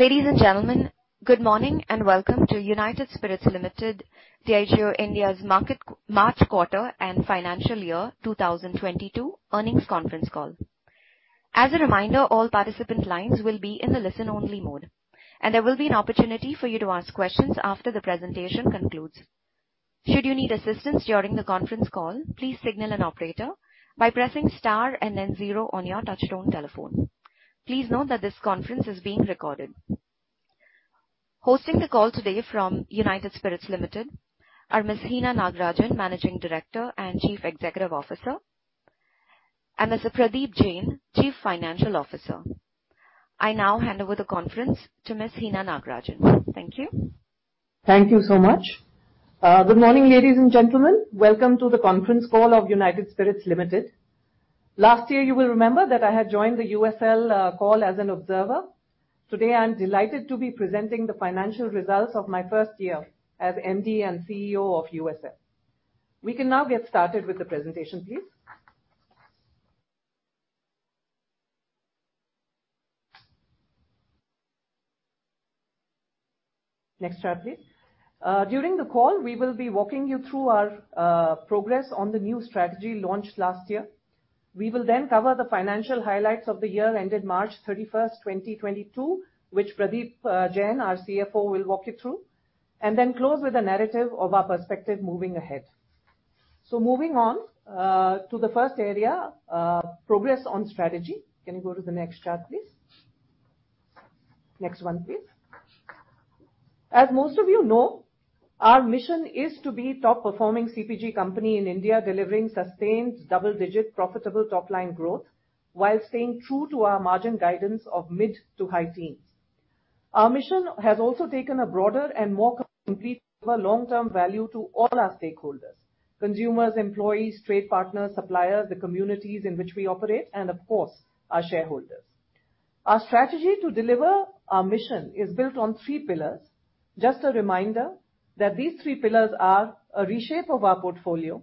Ladies and gentlemen, good morning and welcome to United Spirits Limited, Diageo India's March Quarter and Financial Year 2022 Earnings Conference Call. As a reminder, all participant lines will be in the listen-only mode, and there will be an opportunity for you to ask questions after the presentation concludes. Should you need assistance during the conference call, please signal an operator by pressing star and then zero on your touchtone telephone. Please note that this conference is being recorded. Hosting the call today from United Spirits Limited are Ms. Hina Nagarajan, Managing Director and Chief Executive Officer, and Mr. Pradeep Jain, Chief Financial Officer. I now hand over the conference to Ms. Hina Nagarajan. Thank you. Thank you so much. Good morning, ladies and gentlemen. Welcome to the conference call of United Spirits Limited. Last year, you will remember that I had joined the USL call as an observer. Today, I'm delighted to be presenting the financial results of my first year as MD and CEO of USL. We can now get started with the presentation, please. Next chart, please. During the call, we will be walking you through our progress on the new strategy launched last year. We will then cover the financial highlights of the year ended March 31, 2022, which Pradeep Jain, our CFO, will walk you through, and then close with a narrative of our perspective moving ahead. Moving on to the first area, progress on strategy. Can you go to the next chart, please? Next one, please. As most of you know, our mission is to be top-performing CPG company in India, delivering sustained double-digit profitable top-line growth while staying true to our margin guidance of mid to high teens. Our mission has also taken a broader and more complete long-term value to all our stakeholders, consumers, employees, trade partners, suppliers, the communities in which we operate, and of course, our shareholders. Our strategy to deliver our mission is built on three pillars. Just a reminder that these three pillars are a reshape of our portfolio,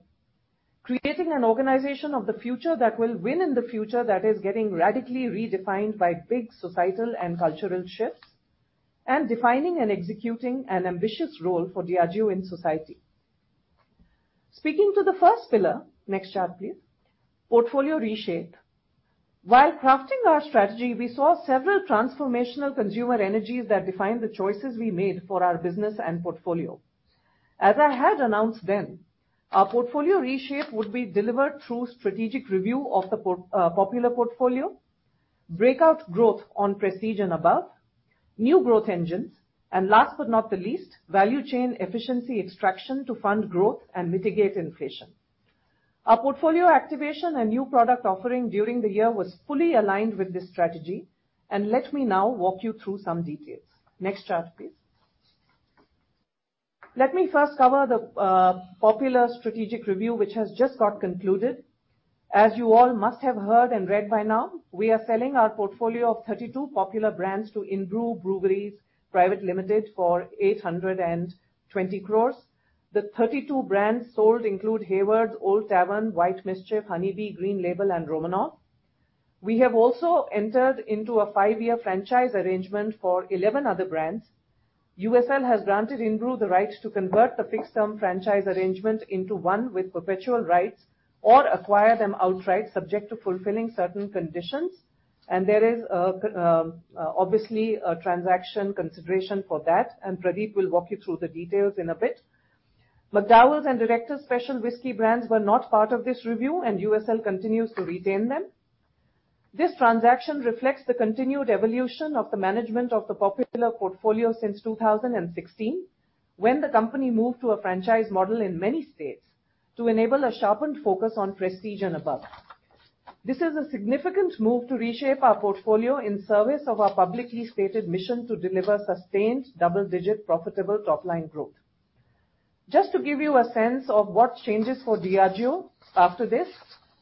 creating an organization of the future that will win in the future that is getting radically redefined by big societal and cultural shifts, and defining and executing an ambitious role for Diageo in society. Speaking to the first pillar, next chart please. Portfolio reshape. While crafting our strategy, we saw several transformational consumer energies that defined the choices we made for our business and portfolio. As I had announced then, our portfolio reshape would be delivered through strategic review of the Popular portfolio, breakout growth on prestige and above, new growth engines, and last but not the least, value chain efficiency extraction to fund growth and mitigate inflation. Our portfolio activation and new product offering during the year was fully aligned with this strategy, and let me now walk you through some details. Next chart, please. Let me first cover the Popular strategic review, which has just got concluded. As you all must have heard and read by now, we are selling our portfolio of 32 Popular brands to Inbrew Beverages Private Limited for 820 crores. The 32 brands sold include Haywards, Old Tavern, White Mischief, Honey Bee, Green Label, and Romanov. We have also entered into a five-year franchise arrangement for 11 other brands. USL has granted Inbrew the right to convert the fixed-term franchise arrangement into one with perpetual rights or acquire them outright, subject to fulfilling certain conditions. There is obviously a transaction consideration for that, and Pradeep will walk you through the details in a bit. McDowell's and Director's Special whisky brands were not part of this review, and USL continues to retain them. This transaction reflects the continued evolution of the management of the Popular portfolio since 2016, when the company moved to a franchise model in many states to enable a sharpened focus on prestige and above. This is a significant move to reshape our portfolio in service of our publicly stated mission to deliver sustained double-digit profitable top-line growth. Just to give you a sense of what changes for Diageo after this,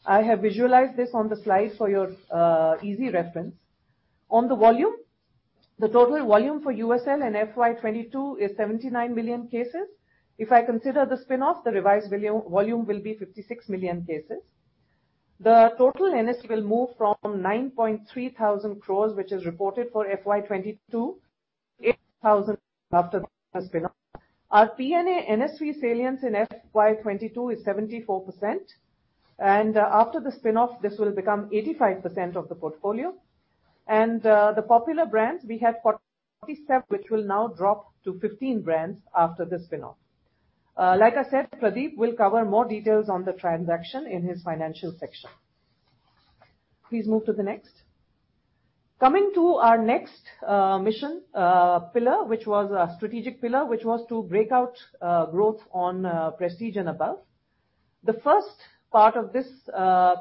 I have visualized this on the slide for your easy reference. On the volume, the total volume for USL in FY 2022 is 79 million cases. If I consider the spin-off, the revised volume will be 56 million cases. The total NS will move from 9,300 crore, which is reported for FY 2022, 8,000 crore after the spin-off. Our PNA NSV salience in FY 2022 is 74%. After the spin-off, this will become 85% of the portfolio. The Popular brands, we had 47, which will now drop to 15 brands after the spin-off. Like I said, Pradeep will cover more details on the transaction in his financial section. Please move to the next. Coming to our next mission pillar, which was a strategic pillar, which was to break out growth on prestige and above. The first part of this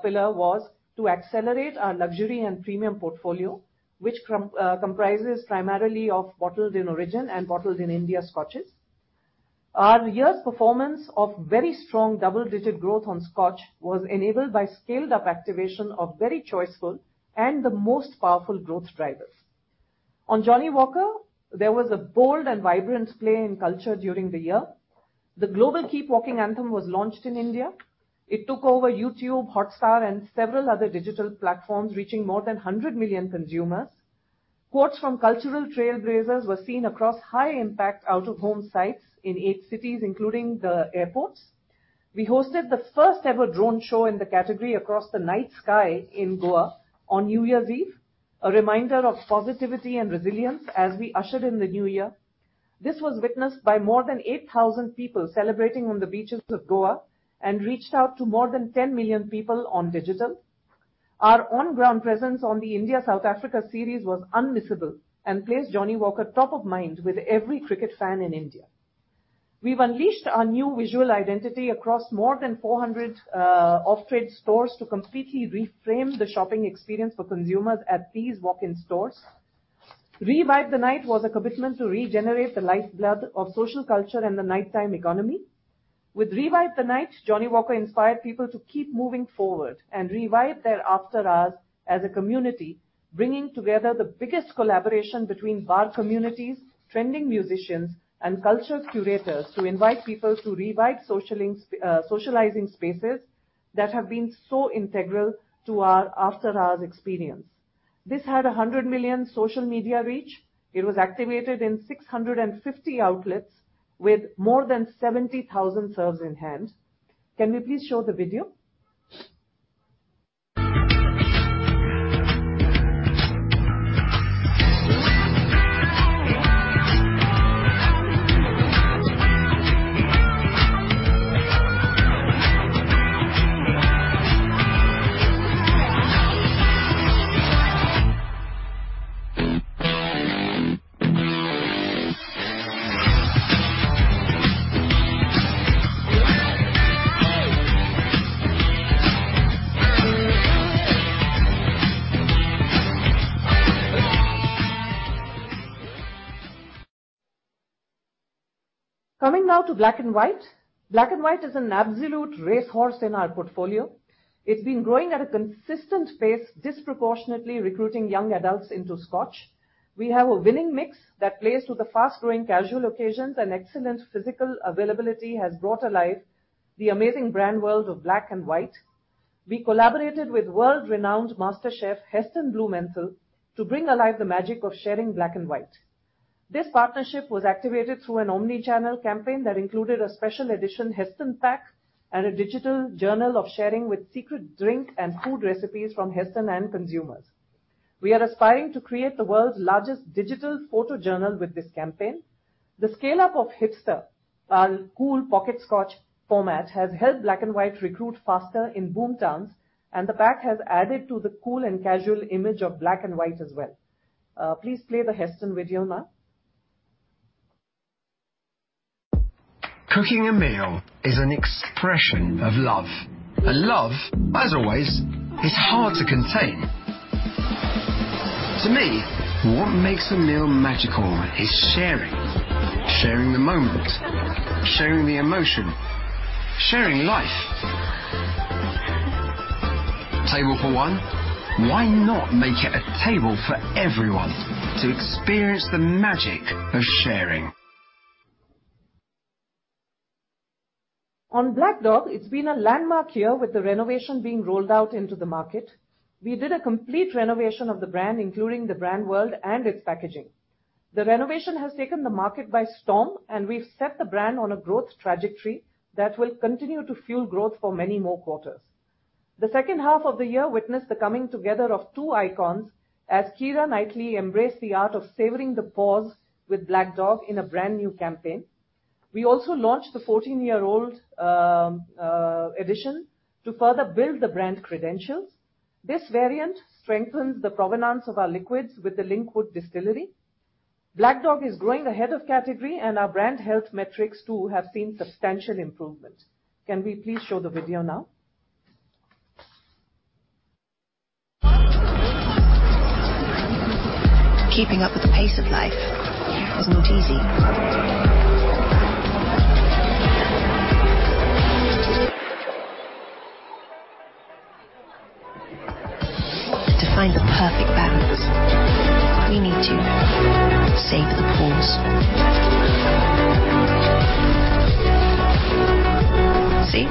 pillar was to accelerate our luxury and premium portfolio, which comprises primarily of Bottled in Origin and Bottled in India scotches. Our year's performance of very strong double-digit growth on scotch was enabled by scaled-up activation of very choiceful and the most powerful growth drivers. On Johnnie Walker, there was a bold and vibrant play in culture during the year. The global Keep Walking anthem was launched in India. It took over YouTube, Hotstar, and several other digital platforms, reaching more than 100 million consumers. Quotes from cultural trailblazers were seen across high impact out-of-home sites in eight cities, including the airports. We hosted the first ever drone show in the category across the night sky in Goa on New Year's Eve, a reminder of positivity and resilience as we ushered in the new year. This was witnessed by more than 8,000 people celebrating on the beaches of Goa and reached out to more than 10 million people on digital. Our on-ground presence on the India-South Africa series was unmissable and placed Johnnie Walker top of mind with every cricket fan in India. We've unleashed our new visual identity across more than 400 off-trade stores to completely reframe the shopping experience for consumers at these walk-in stores. Revive the Night was a commitment to regenerate the lifeblood of social culture and the nighttime economy. With Revive the Night, Johnnie Walker inspired people to keep moving forward and revive their after-hours as a community, bringing together the biggest collaboration between bar communities, trending musicians, and culture curators to invite people to revive socializing spaces that have been so integral to our after-hours experience. This had 100 million social media reach. It was activated in 650 outlets with more than 70,000 serves in hand. Can we please show the video? Coming now to Black & White. Black & White is an absolute racehorse in our portfolio. It's been growing at a consistent pace, disproportionately recruiting young adults into Scotch. We have a winning mix that plays with the fast-growing casual occasions and excellent physical availability has brought to life the amazing brand world of Black & White. We collaborated with world-renowned master chef Heston Blumenthal to bring alive the magic of sharing Black & White. This partnership was activated through an omni-channel campaign that included a special edition Heston pack and a digital journal of sharing with secret drink and food recipes from Heston and consumers. We are aspiring to create the world's largest digital photo journal with this campaign. The scale-up of Hipster, our cool pocket scotch format, has helped Black & White recruit faster in boom towns, and the pack has added to the cool and casual image of Black & White as well. Please play the Heston video now. Cooking a meal is an expression of love. Love, as always, is hard to contain. To me, what makes a meal magical is sharing. Sharing the moment, sharing the emotion, sharing life. Table for one? Why not make it a table for everyone to experience the magic of sharing? On Black Dog, it's been a landmark year with the renovation being rolled out into the market. We did a complete renovation of the brand, including the brand world and its packaging. The renovation has taken the market by storm, and we've set the brand on a growth trajectory that will continue to fuel growth for many more quarters. The second half of the year witnessed the coming together of two icons as Keira Knightley embraced the art of savoring the pause with Black Dog in a brand-new campaign. We also launched the 14-year-old edition to further build the brand credentials. This variant strengthens the provenance of our liquids with the Linkwood Distillery. Black Dog is growing ahead of category, and our brand health metrics, too, have seen substantial improvement. Can we please show the video now? Keeping up with the pace of life is not easy. To find the perfect balance, we need to savor the pause. See?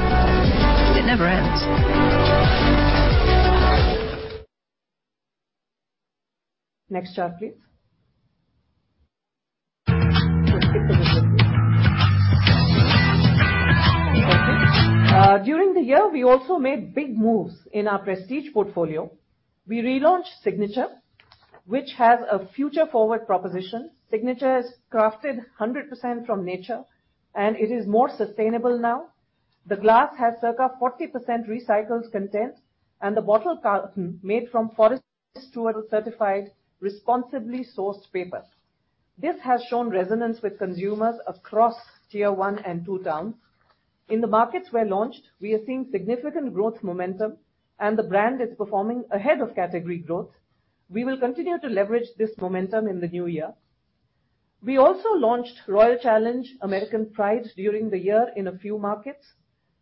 It never ends. Next slide, please. During the year, we also made big moves in our prestige portfolio. We relaunched Signature, which has a future-forward proposition. Signature is crafted 100% from nature, and it is more sustainable now. The glass has circa 40% recycled content, and the bottle carton made from Forest Stewardship Council-certified responsibly sourced paper. This has shown resonance with consumers across Tier 1 and 2 towns. In the markets where launched, we are seeing significant growth momentum, and the brand is performing ahead of category growth. We will continue to leverage this momentum in the new year. We also launched Royal Challenge American Pride during the year in a few markets.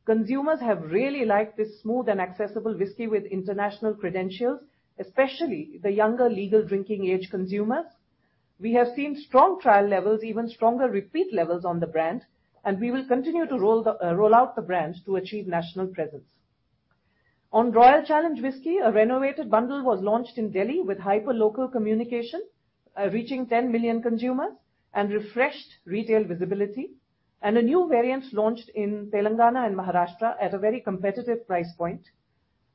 Consumers have really liked this smooth and accessible whiskey with international credentials, especially the younger legal drinking age consumers. We have seen strong trial levels, even stronger repeat levels on the brand, and we will continue to roll out the brands to achieve national presence. On Royal Challenge Whisky, a renovated bundle was launched in Delhi with hyper-local communication reaching 10 million consumers and refreshed retail visibility, and a new variant launched in Telangana and Maharashtra at a very competitive price point.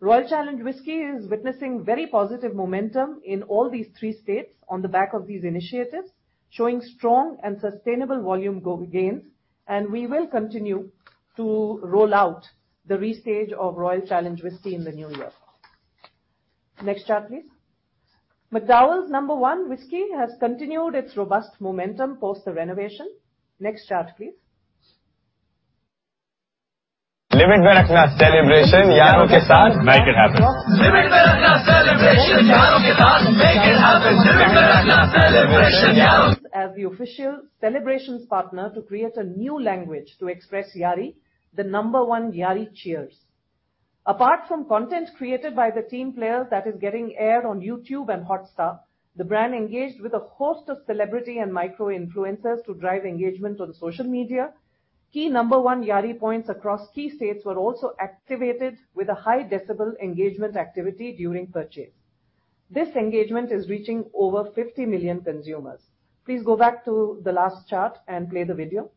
Royal Challenge Whisky is witnessing very positive momentum in all these three states on the back of these initiatives, showing strong and sustainable volume growth gains, and we will continue to roll out the restage of Royal Challenge Whisky in the new year. Next chart, please. McDowell's No. 1 Whisky has continued its robust momentum post the renovation. Next chart, please. Limit mein rakhna Celebration yaaron ke saath. Make it happen. As the official celebrations partner to create a new language to express yaari, the number one yaari cheers. Apart from content created by the team players that is getting aired on YouTube and Hotstar, the brand engaged with a host of celebrity and micro-influencers to drive engagement on social media. Key number one yaari points across key states were also activated with a high decibel engagement activity during purchase. This engagement is reaching over 50 million consumers. Please go back to the last chart and play the video.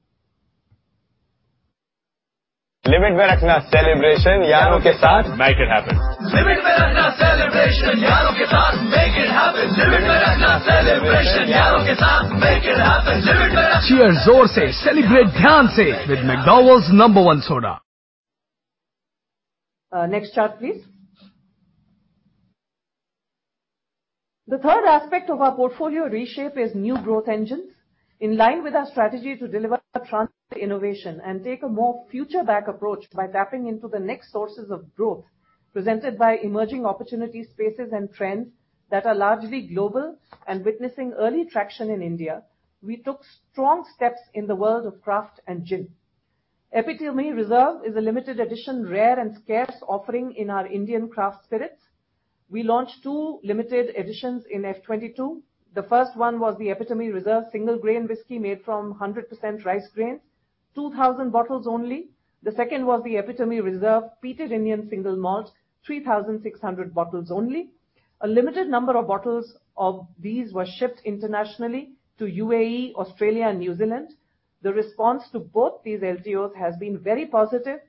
Limit mein rakhna celebration yaaron ke saath. Make it happen. Limit mein rakhna celebration yaaron ke saath. Make it happen. Limit mein rakhna. Cheers zor se, celebrate dhyaan se with McDowell's No.1 Soda. Next chart, please. The third aspect of our portfolio reshape is new growth engines. In line with our strategy to deliver transformative innovation and take a more future-back approach by tapping into the next sources of growth presented by emerging opportunity spaces and trends that are largely global and witnessing early traction in India, we took strong steps in the world of craft and gin. Epitome Reserve is a limited edition, rare and scarce offering in our Indian craft spirits. We launched two limited editions in FY 2022. The first one was the Epitome Reserve Single Grain Whisky made from 100% rice grains, 2,000 bottles only. The second was the Epitome Reserve Peated Indian Single Malt, 3,600 bottles only. A limited number of bottles of these were shipped internationally to UAE, Australia, and New Zealand. The response to both these LTOs has been very positive.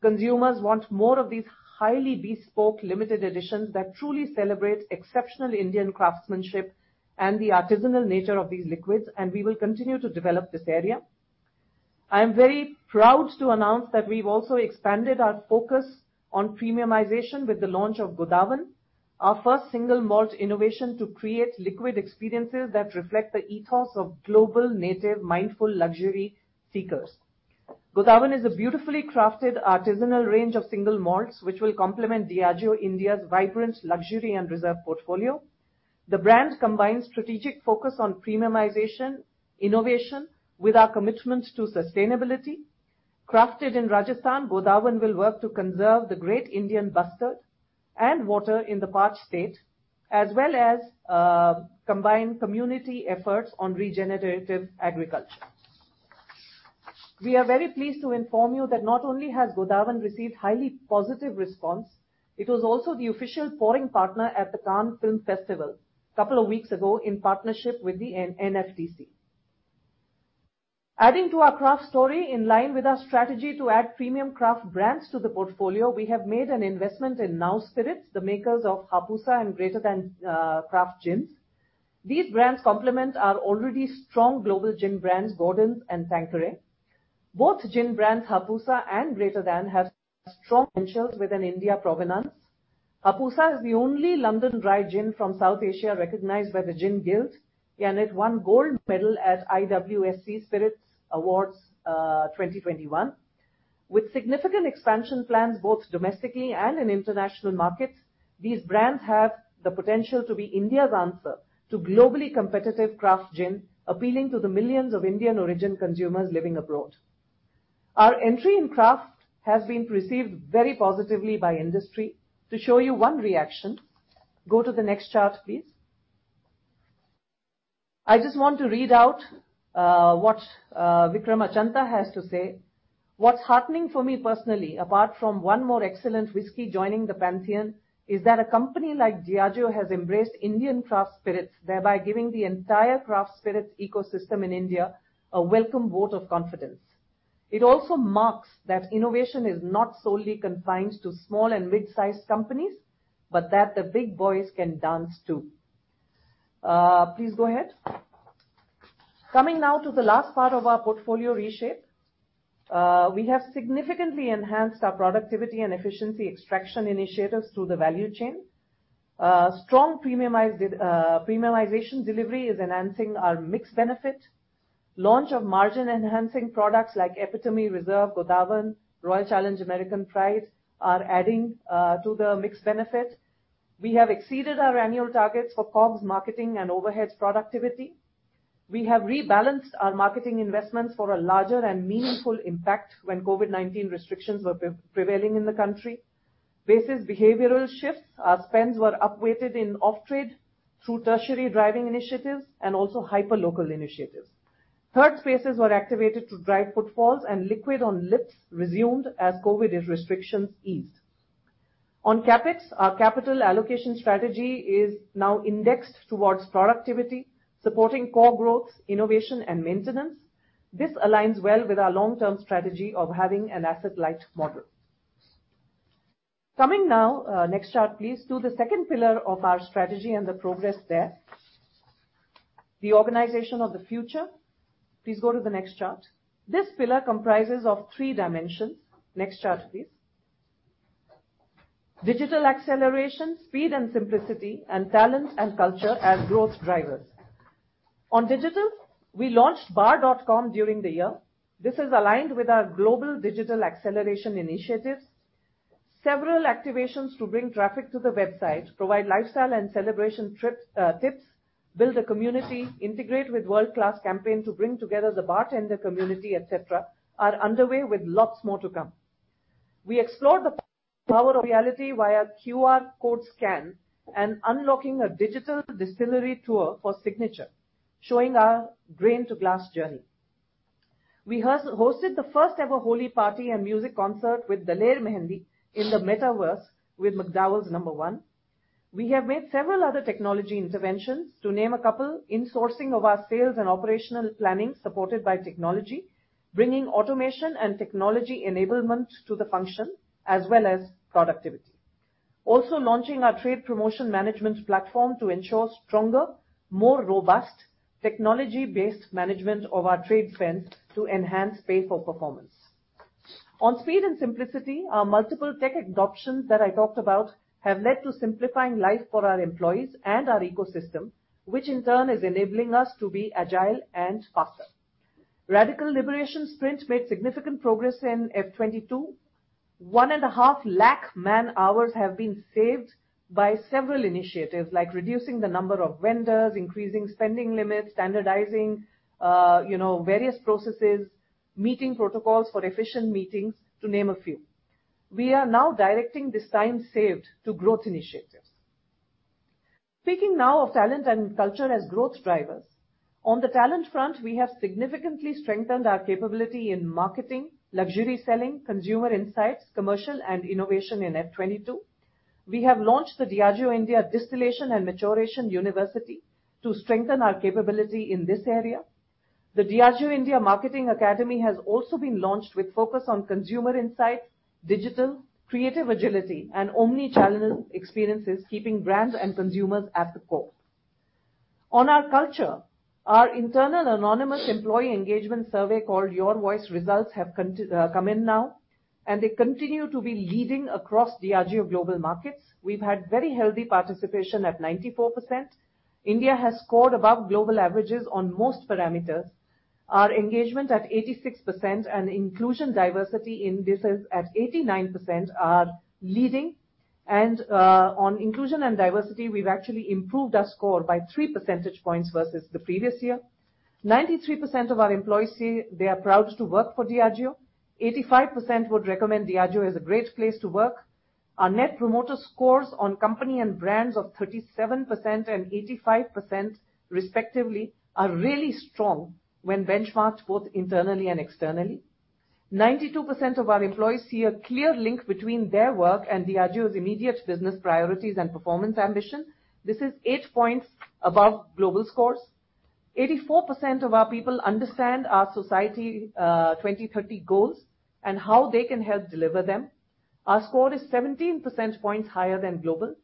Consumers want more of these highly bespoke limited editions that truly celebrate exceptional Indian craftsmanship and the artisanal nature of these liquids, and we will continue to develop this area. I am very proud to announce that we've also expanded our focus on premiumization with the launch of Godawan, our first single malt innovation to create liquid experiences that reflect the ethos of global native mindful luxury seekers. Godawan is a beautifully crafted artisanal range of single malts, which will complement Diageo India's vibrant luxury and reserve portfolio. The brand combines strategic focus on premiumization, innovation with our commitment to sustainability. Crafted in Rajasthan, Godawan will work to conserve the great Indian bustard and water in the parched state, as well as combine community efforts on regenerative agriculture. We are very pleased to inform you that not only has Godawan received highly positive response, it was also the official pouring partner at the Cannes Film Festival a couple of weeks ago in partnership with the NFDC. Adding to our craft story, in line with our strategy to add premium craft brands to the portfolio, we have made an investment in Nao Spirits, the makers of Hapusa and Greater Than, craft gins. These brands complement our already strong global gin brands, Gordon's and Tanqueray. Both gin brands, Hapusa and Greater Than, have strong credentials with an Indian provenance. Hapusa is the only London dry gin from South Asia recognized by the Gin Guild, and it won gold medal at IWSC Spirits Awards, 2021. With significant expansion plans, both domestically and in international markets, these brands have the potential to be India's answer to globally competitive craft gin, appealing to the millions of Indian origin consumers living abroad. Our entry in craft has been received very positively by industry. To show you one reaction, go to the next chart, please. I just want to read out what Vikram Achanta has to say. "What's heartening for me personally, apart from one more excellent whisky joining the pantheon, is that a company like Diageo has embraced Indian craft spirits, thereby giving the entire craft spirits ecosystem in India a welcome vote of confidence. It also marks that innovation is not solely confined to small and mid-sized companies, but that the big boys can dance too." Please go ahead. Coming now to the last part of our portfolio reshape. We have significantly enhanced our productivity and efficiency extraction initiatives through the value chain. Strong premiumization delivery is enhancing our mix benefit. Launch of margin-enhancing products like Epitome Reserve, Godawan, Royal Challenge American Pride are adding to the mix benefit. We have exceeded our annual targets for COGS, marketing and overheads productivity. We have rebalanced our marketing investments for a larger and meaningful impact when COVID-19 restrictions were prevailing in the country. Based on behavioral shifts, our spends were upgraded in off-trade through tertiary driving initiatives and also hyper-local initiatives. Third spaces were activated to drive footfalls and liquid on lips resumed as COVID restrictions eased. On CapEx, our capital allocation strategy is now indexed towards productivity, supporting core growth, innovation and maintenance. This aligns well with our long-term strategy of having an asset-light model. Coming now, next chart, please, to the second pillar of our strategy and the progress there. The organization of the future. Please go to the next chart. This pillar comprises of three dimensions. Next chart please. Digital acceleration, speed and simplicity, and talent and culture as growth drivers. On digital, we launched thebar.com during the year. This is aligned with our global digital acceleration initiatives. Several activations to bring traffic to the website, provide lifestyle and celebration tips, build a community, integrate with world-class campaign to bring together the bartender community, et cetera, are underway with lots more to come. We explored the power of reality via QR code scan and unlocking a digital distillery tour for Signature, showing our grain to glass journey. We hosted the first ever Holi party and music concert with Daler Mehndi in the metaverse with McDowell's No. 1. We have made several other technology interventions. To name a couple, insourcing of our sales and operational planning supported by technology, bringing automation and technology enablement to the function as well as productivity. Also launching our trade promotion management platform to ensure stronger, more robust technology-based management of our trade spend to enhance pay for performance. On speed and simplicity, our multiple tech adoptions that I talked about have led to simplifying life for our employees and our ecosystem, which in turn is enabling us to be agile and faster. Radical liberation sprint made significant progress in FY 2022. 1.5 lakh man-hours have been saved by several initiatives like reducing the number of vendors, increasing spending limits, standardizing, you know, various processes, meeting protocols for efficient meetings to name a few. We are now directing this time saved to growth initiatives. Speaking now of talent and culture as growth drivers. On the talent front, we have significantly strengthened our capability in marketing, luxury selling, consumer insights, commercial and innovation in FY 2022. We have launched the Diageo India Distillation and Maturation University to strengthen our capability in this area. The Diageo India Marketing Academy has also been launched with focus on consumer insights, digital, creative agility and omnichannel experiences, keeping brands and consumers at the core. On our culture, our internal anonymous employee engagement survey called Your Voice results have come in now, and they continue to be leading across Diageo global markets. We've had very healthy participation at 94%. India has scored above global averages on most parameters. Our engagement at 86% and inclusion diversity indices at 89% are leading. On inclusion and diversity, we've actually improved our score by three percentage points versus the previous year. 93% of our employees say they are proud to work for Diageo. 85% would recommend Diageo as a great place to work. Our net promoter scores on company and brands of 37% and 85% respectively, are really strong when benchmarked both internally and externally. 92% of our employees see a clear link between their work and Diageo's immediate business priorities and performance ambition. This is eight points above global scores. 84% of our people understand our Society 2030 goals and how they can help deliver them. Our score is 17 percentage points higher than global.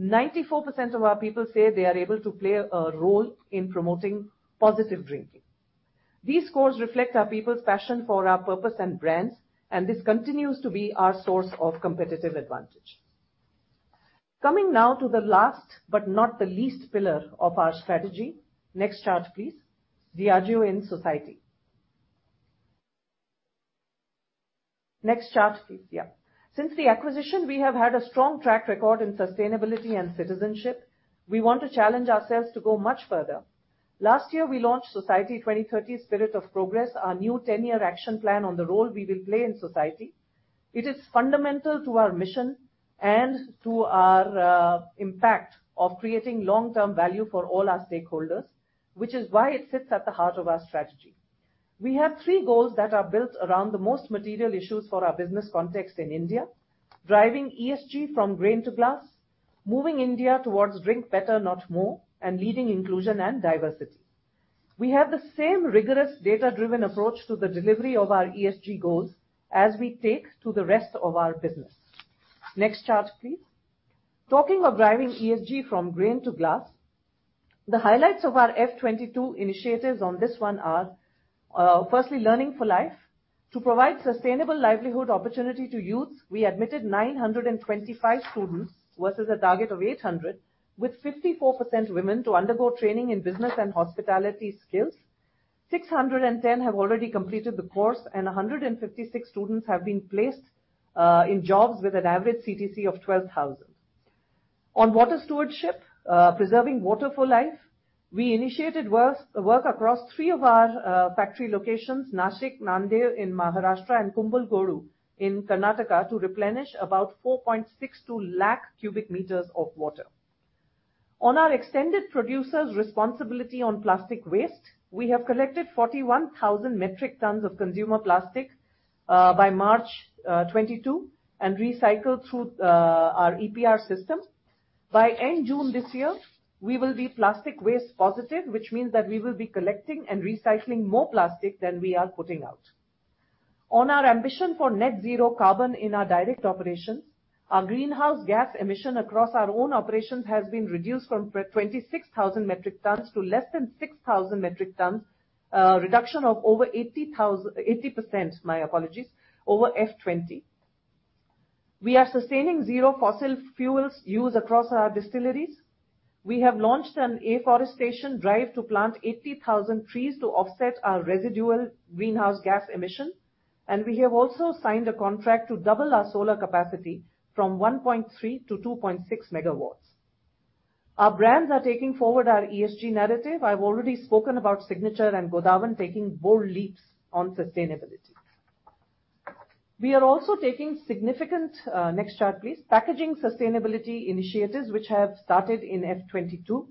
94% of our people say they are able to play a role in promoting positive drinking. These scores reflect our people's passion for our purpose and brands, and this continues to be our source of competitive advantage. Coming now to the last but not the least pillar of our strategy. Next chart please. Diageo in society. Next chart please. Yeah. Since the acquisition, we have had a strong track record in sustainability and citizenship. We want to challenge ourselves to go much further. Last year, we launched Society 2030 Spirit of Progress, our new ten-year action plan on the role we will play in society. It is fundamental to our mission and to our impact of creating long-term value for all our stakeholders, which is why it sits at the heart of our strategy. We have three goals that are built around the most material issues for our business context in India. Driving ESG from grain to glass, moving India towards drink better not more, and leading inclusion and diversity. We have the same rigorous data-driven approach to the delivery of our ESG goals as we take to the rest of our business. Next chart please. Talking of driving ESG from grain to glass, the highlights of our FY 2022 initiatives on this one are, firstly Learning for Life. To provide sustainable livelihood opportunity to youths, we admitted 925 students versus a target of 800, with 54% women to undergo training in business and hospitality skills. 610 have already completed the course, and 156 students have been placed in jobs with an average CTC of 12,000. On water stewardship, preserving water for life, we initiated work across three of our factory locations, Nashik, Nanded in Maharashtra, and Kumbalgodu in Karnataka to replenish about 4.62 lakh cubic meters of water. On our extended producer responsibility on plastic waste, we have collected 41,000 metric tons of consumer plastic by March 2022, and recycled through our EPR system. By end June this year, we will be plastic waste positive, which means that we will be collecting and recycling more plastic than we are putting out. On our ambition for net zero carbon in our direct operations, our greenhouse gas emission across our own operations has been reduced from 26,000 metric tons to less than 6,000 metric tons, reduction of over 80%, my apologies, over FY 2020. We are sustaining zero fossil fuels used across our distilleries. We have launched an afforestation drive to plant 80,000 trees to offset our residual greenhouse gas emission, and we have also signed a contract to double our solar capacity from 1.3 to 2.6MW. Our brands are taking forward our ESG narrative. I've already spoken about Signature and Godawan taking bold leaps on sustainability. We are also taking significant, next chart please, packaging sustainability initiatives which have started in FY 2022.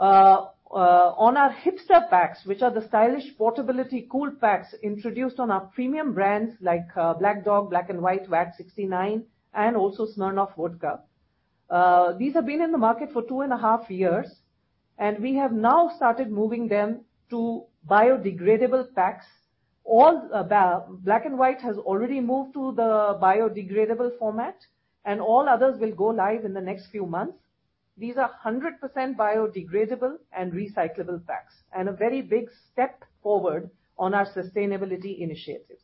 On our Hipster packs, which are the stylish portability cool packs introduced on our premium brands like Black Dog, Black & White, VAT 69, and also Smirnoff vodka. These have been in the market for two and a half years, and we have now started moving them to biodegradable packs. Black & White has already moved to the biodegradable format, and all others will go live in the next few months. These are 100% biodegradable and recyclable packs, and a very big step forward on our sustainability initiatives.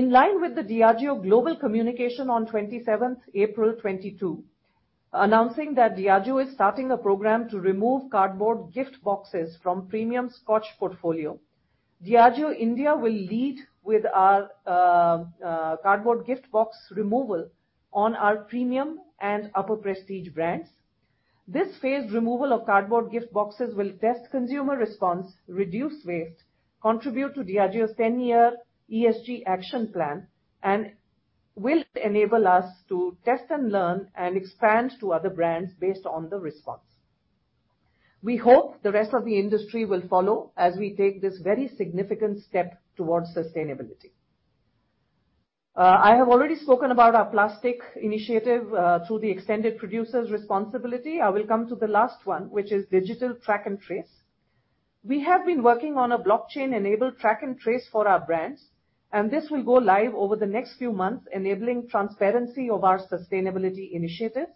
In line with the Diageo global communication on 27 April 2022, announcing that Diageo is starting a program to remove cardboard gift boxes from premium Scotch portfolio. Diageo India will lead with our cardboard gift box removal on our premium and upper prestige brands. This phased removal of cardboard gift boxes will test consumer response, reduce waste, contribute to Diageo's 10-year ESG action plan, and will enable us to test and learn and expand to other brands based on the response. We hope the rest of the industry will follow as we take this very significant step towards sustainability. I have already spoken about our plastic initiative through the extended producer's responsibility. I will come to the last one, which is digital track and trace. We have been working on a blockchain-enabled track and trace for our brands, and this will go live over the next few months, enabling transparency of our sustainability initiatives.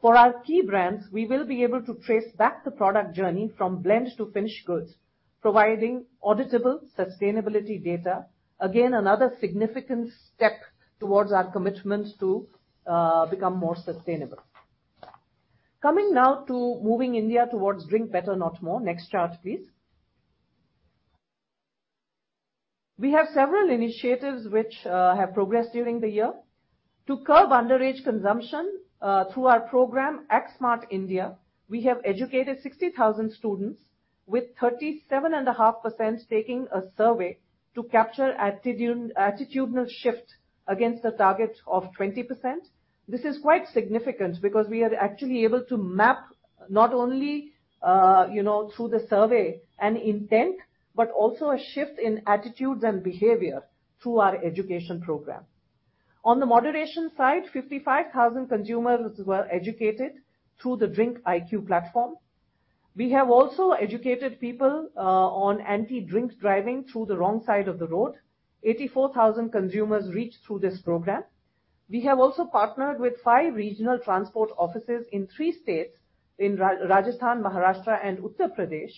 For our key brands, we will be able to trace back the product journey from blend to finished goods, providing auditable sustainability data. Again, another significant step towards our commitment to become more sustainable. Coming now to moving India towards drink better, not more. Next chart, please. We have several initiatives which have progressed during the year. To curb underage consumption, through our program Act Smart India, we have educated 60,000 students with 37.5% taking a survey to capture attitudinal shift against a target of 20%. This is quite significant because we are actually able to map not only, you know, through the survey an intent, but also a shift in attitudes and behavior through our education program. On the moderation side, 55,000 consumers were educated through the DRINKiQ platform. We have also educated people on anti-drink driving through the Wrong Side of the Road. 84,000 consumers reached through this program. We have also partnered with five regional transport offices in three states, in Rajasthan, Maharashtra and Uttar Pradesh,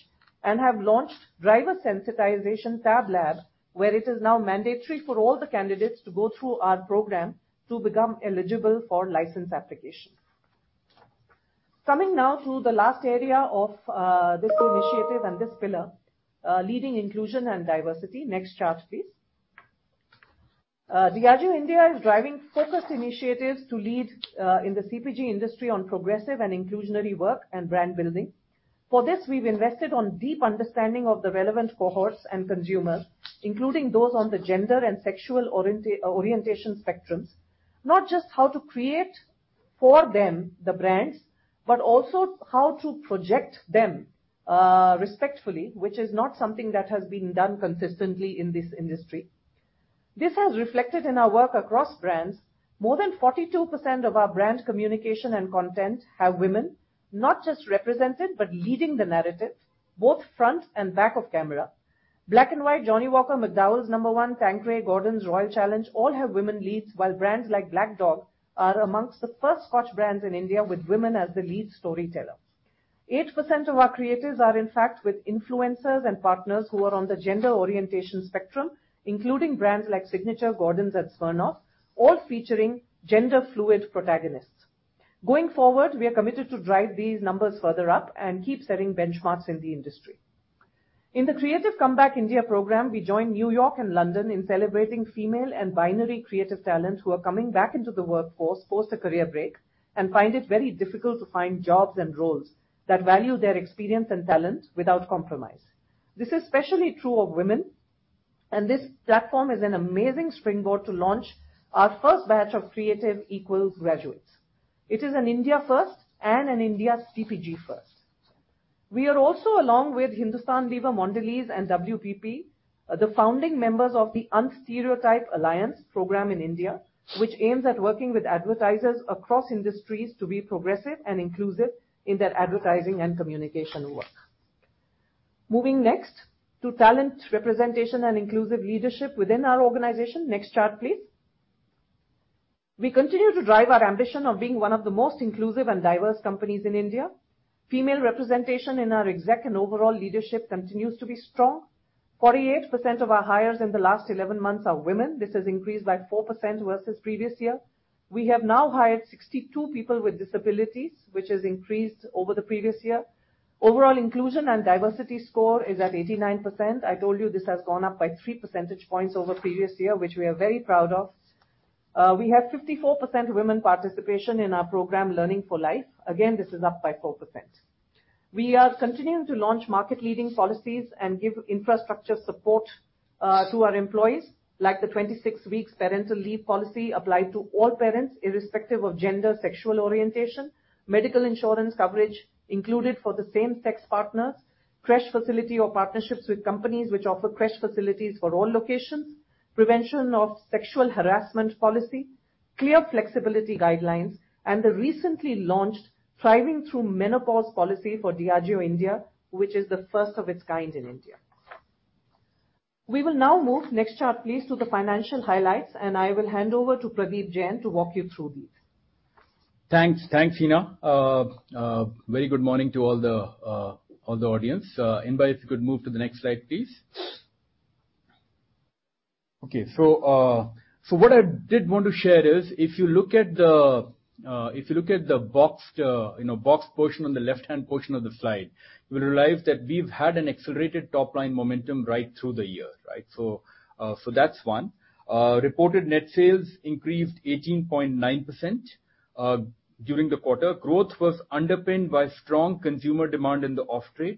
and have launched Driver Sensitization Tab Lab, where it is now mandatory for all the candidates to go through our program to become eligible for license application. Coming now to the last area of this initiative and this pillar, leading inclusion and diversity. Next chart, please. Diageo India is driving focused initiatives to lead in the CPG industry on progressive and inclusionary work and brand building. For this, we've invested on deep understanding of the relevant cohorts and consumers, including those on the gender and sexual orientation spectrums. Not just how to create for them the brands, but also how to project them respectfully, which is not something that has been done consistently in this industry. This has reflected in our work across brands. More than 42% of our brand communication and content have women, not just represented, but leading the narrative, both front and back of camera. Black & White, Johnnie Walker, McDowell's No.1, Tanqueray, Gordon's, Royal Challenge all have women leads, while brands like Black Dog are among the first Scotch brands in India with women as the lead storyteller. 8% of our creatives are in fact with influencers and partners who are on the gender orientation spectrum, including brands like Signature, Gordon's and Smirnoff, all featuring gender fluid protagonists. Going forward, we are committed to drive these numbers further up and keep setting benchmarks in the industry. In the Creative Comeback India program, we joined New York and London in celebrating female and non-binary creative talent who are coming back into the workforce post a career break, and find it very difficult to find jobs and roles that value their experience and talent without compromise. This is especially true of women, and this platform is an amazing springboard to launch our first batch of creative equals graduates. It is an India first and an India CPG first. We are also, along with Hindustan Unilever, Mondelēz and WPP, the founding members of the Unstereotype Alliance program in India, which aims at working with advertisers across industries to be progressive and inclusive in their advertising and communication work. Moving next to talent representation and inclusive leadership within our organization. Next chart, please. We continue to drive our ambition of being one of the most inclusive and diverse companies in India. Female representation in our executive and overall leadership continues to be strong. 48% of our hires in the last 11 months are women. This has increased by 4% versus previous year. We have now hired 62 people with disabilities, which has increased over the previous year. Overall inclusion and diversity score is at 89%. I told you this has gone up by three percentage points over previous year, which we are very proud of. We have 54% women participation in our program Learning for Life. Again, this is up by 4%. We are continuing to launch market leading policies and give infrastructure support to our employees, like the 26 weeks parental leave policy applied to all parents, irrespective of gender, sexual orientation, medical insurance coverage included for the same-sex partners, creche facility or partnerships with companies which offer creche facilities for all locations, prevention of sexual harassment policy, clear flexibility guidelines, and the recently launched Thriving Through Menopause policy for Diageo India, which is the first of its kind in India. We will now move, next chart please, to the financial highlights, and I will hand over to Pradeep Jain to walk you through these. Thanks. Thanks, Hina. Very good morning to all the audience. If you could move to the next slide, please. Okay. What I did want to share is, if you look at the boxed, you know, boxed portion on the left-hand portion of the slide, you will realize that we've had an accelerated top-line momentum right through the year, right? That's one. Reported net sales increased 18.9% during the quarter. Growth was underpinned by strong consumer demand in the off-trade,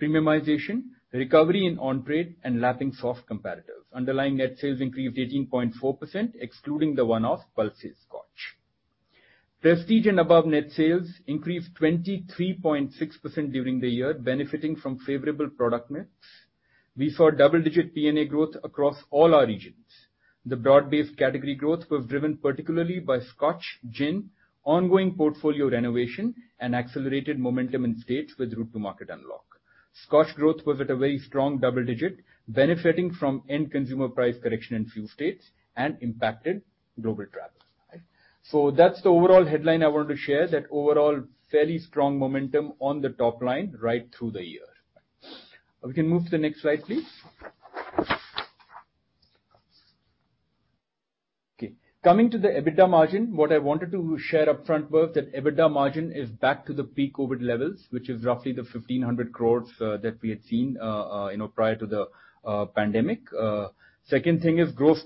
premiumization, recovery in on-trade and lapping soft comparatives. Underlying net sales increased 18.4% excluding the one-off bulk scotch. Prestige and above net sales increased 23.6% during the year, benefiting from favorable product mix. We saw double-digit PNA growth across all our regions. The broad-based category growth was driven particularly by Scotch, gin, ongoing portfolio renovation and accelerated momentum in states with route to market unlock. Scotch growth was at a very strong double digit, benefiting from end consumer price correction in few states and impacted global travel. That's the overall headline I want to share, that overall fairly strong momentum on the top line right through the year. We can move to the next slide, please. Okay. Coming to the EBITDA margin. What I wanted to share upfront was that EBITDA margin is back to the pre-COVID levels, which is roughly 1,500 crores that we had seen, you know, prior to the pandemic. Second thing is gross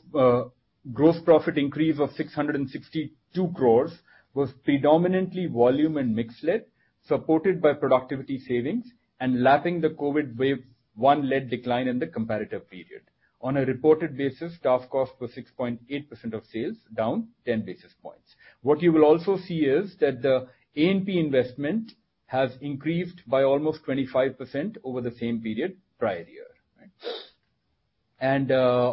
profit increase of 662 crore was predominantly volume and mix led, supported by productivity savings and lapping the COVID wave one-led decline in the competitive period. On a reported basis, staff cost was 6.8% of sales, down 10 basis points. What you will also see is that the A&P investment has increased by almost 25% over the same period prior year.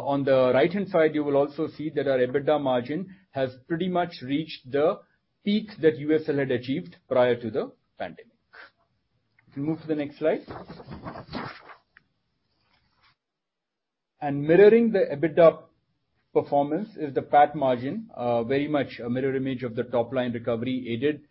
On the right-hand side, you will also see that our EBITDA margin has pretty much reached the peak that USL had achieved prior to the pandemic. We can move to the next slide. Mirroring the EBITDA performance is the PAT margin, very much a mirror image of the top line recovery aided,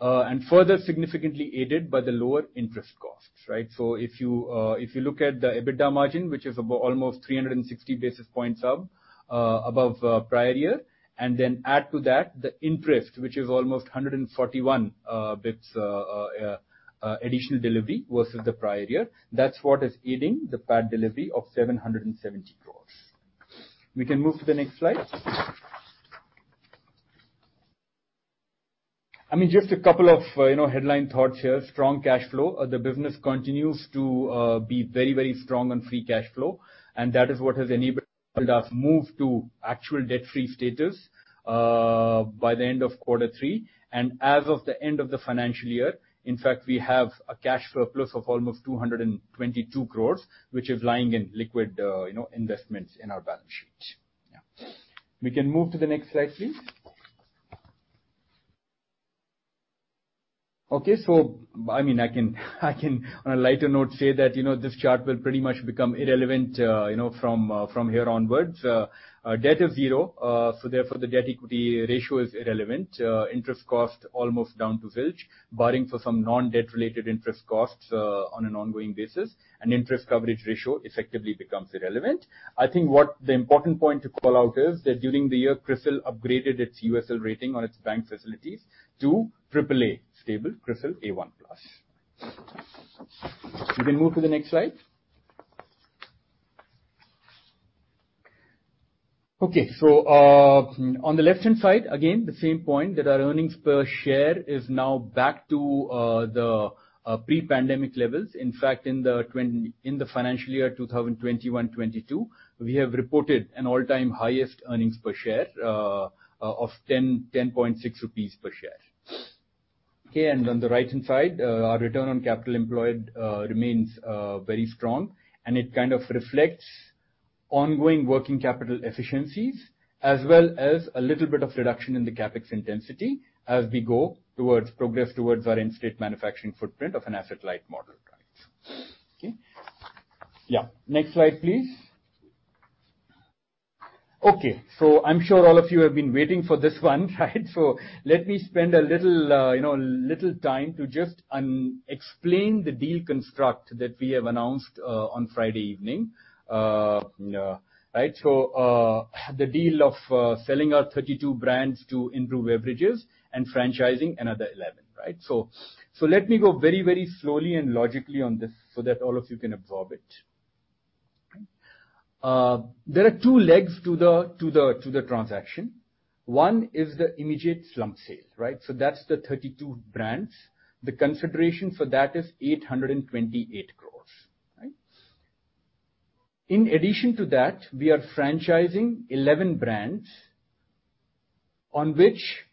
and further significantly aided by the lower interest costs, right? If you look at the EBITDA margin, which is almost 360 basis points up above prior year, and then add to that the interest, which is almost 141 basis points additional delivery versus the prior year, that's what is aiding the PAT delivery of 770 crore. We can move to the next slide. I mean, just a couple of you know, headline thoughts here. Strong cash flow. The business continues to be very, very strong on free cash flow, and that is what has enabled us move to actual debt-free status by the end of Q3. As of the end of the financial year, in fact, we have a cash surplus of almost 222 crore, which is lying in liquid, you know, investments in our balance sheet. Yeah. We can move to the next slide, please. Okay. I mean, I can on a lighter note, say that, you know, this chart will pretty much become irrelevant, you know, from here onwards. Our debt is zero, so therefore the debt equity ratio is irrelevant. Interest cost almost down to zilch, barring for some non-debt related interest costs, on an ongoing basis and interest coverage ratio effectively becomes irrelevant. I think what the important point to call out is that during the year, CRISIL upgraded its USL rating on its bank facilities to AAA, stable CRISIL A1+. We can move to the next slide. Okay. On the left-hand side, again, the same point that our earnings per share is now back to the pre-pandemic levels. In fact, in the financial year 2021, 2022, we have reported an all-time highest earnings per share of 10.6 rupees per share. Okay. On the right-hand side, our return on capital employed remains very strong, and it kind of reflects ongoing working capital efficiencies as well as a little bit of reduction in the CapEx intensity as we go towards progress towards our end state manufacturing footprint of an asset-light model. Okay. Next slide, please. Okay. I'm sure all of you have been waiting for this one, right? Let me spend a little, you know, time to just explain the deal construct that we have announced on Friday evening. Right. The deal of selling our 32 brands to Inbrew Beverages and franchising another 11, right? Let me go very, very slowly and logically on this so that all of you can absorb it. There are two legs to the transaction. One is the immediate slump sale, right? That's the 32 brands. The consideration for that is 828 crores, right? In addition to that, we are franchising 11 brands on which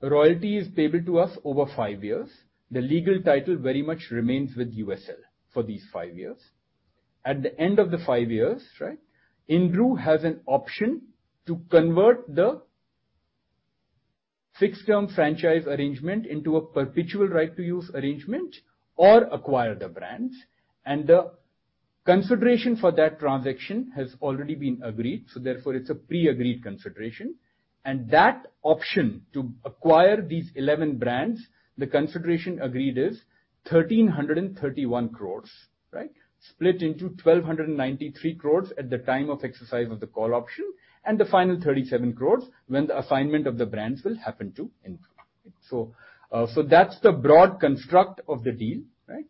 royalty is payable to us over five years. The legal title very much remains with USL for these five years. At the end of the five years, right, Inbrew has an option to convert the fixed term franchise arrangement into a perpetual right to use arrangement or acquire the brands. The consideration for that transaction has already been agreed, so therefore it's a pre-agreed consideration. That option to acquire these 11 brands, the consideration agreed is 1,331 crores, right? Split into 1,293 crores at the time of exercise of the call option and the final 37 crores when the assignment of the brands will happen to Inbrew. That's the broad construct of the deal, right?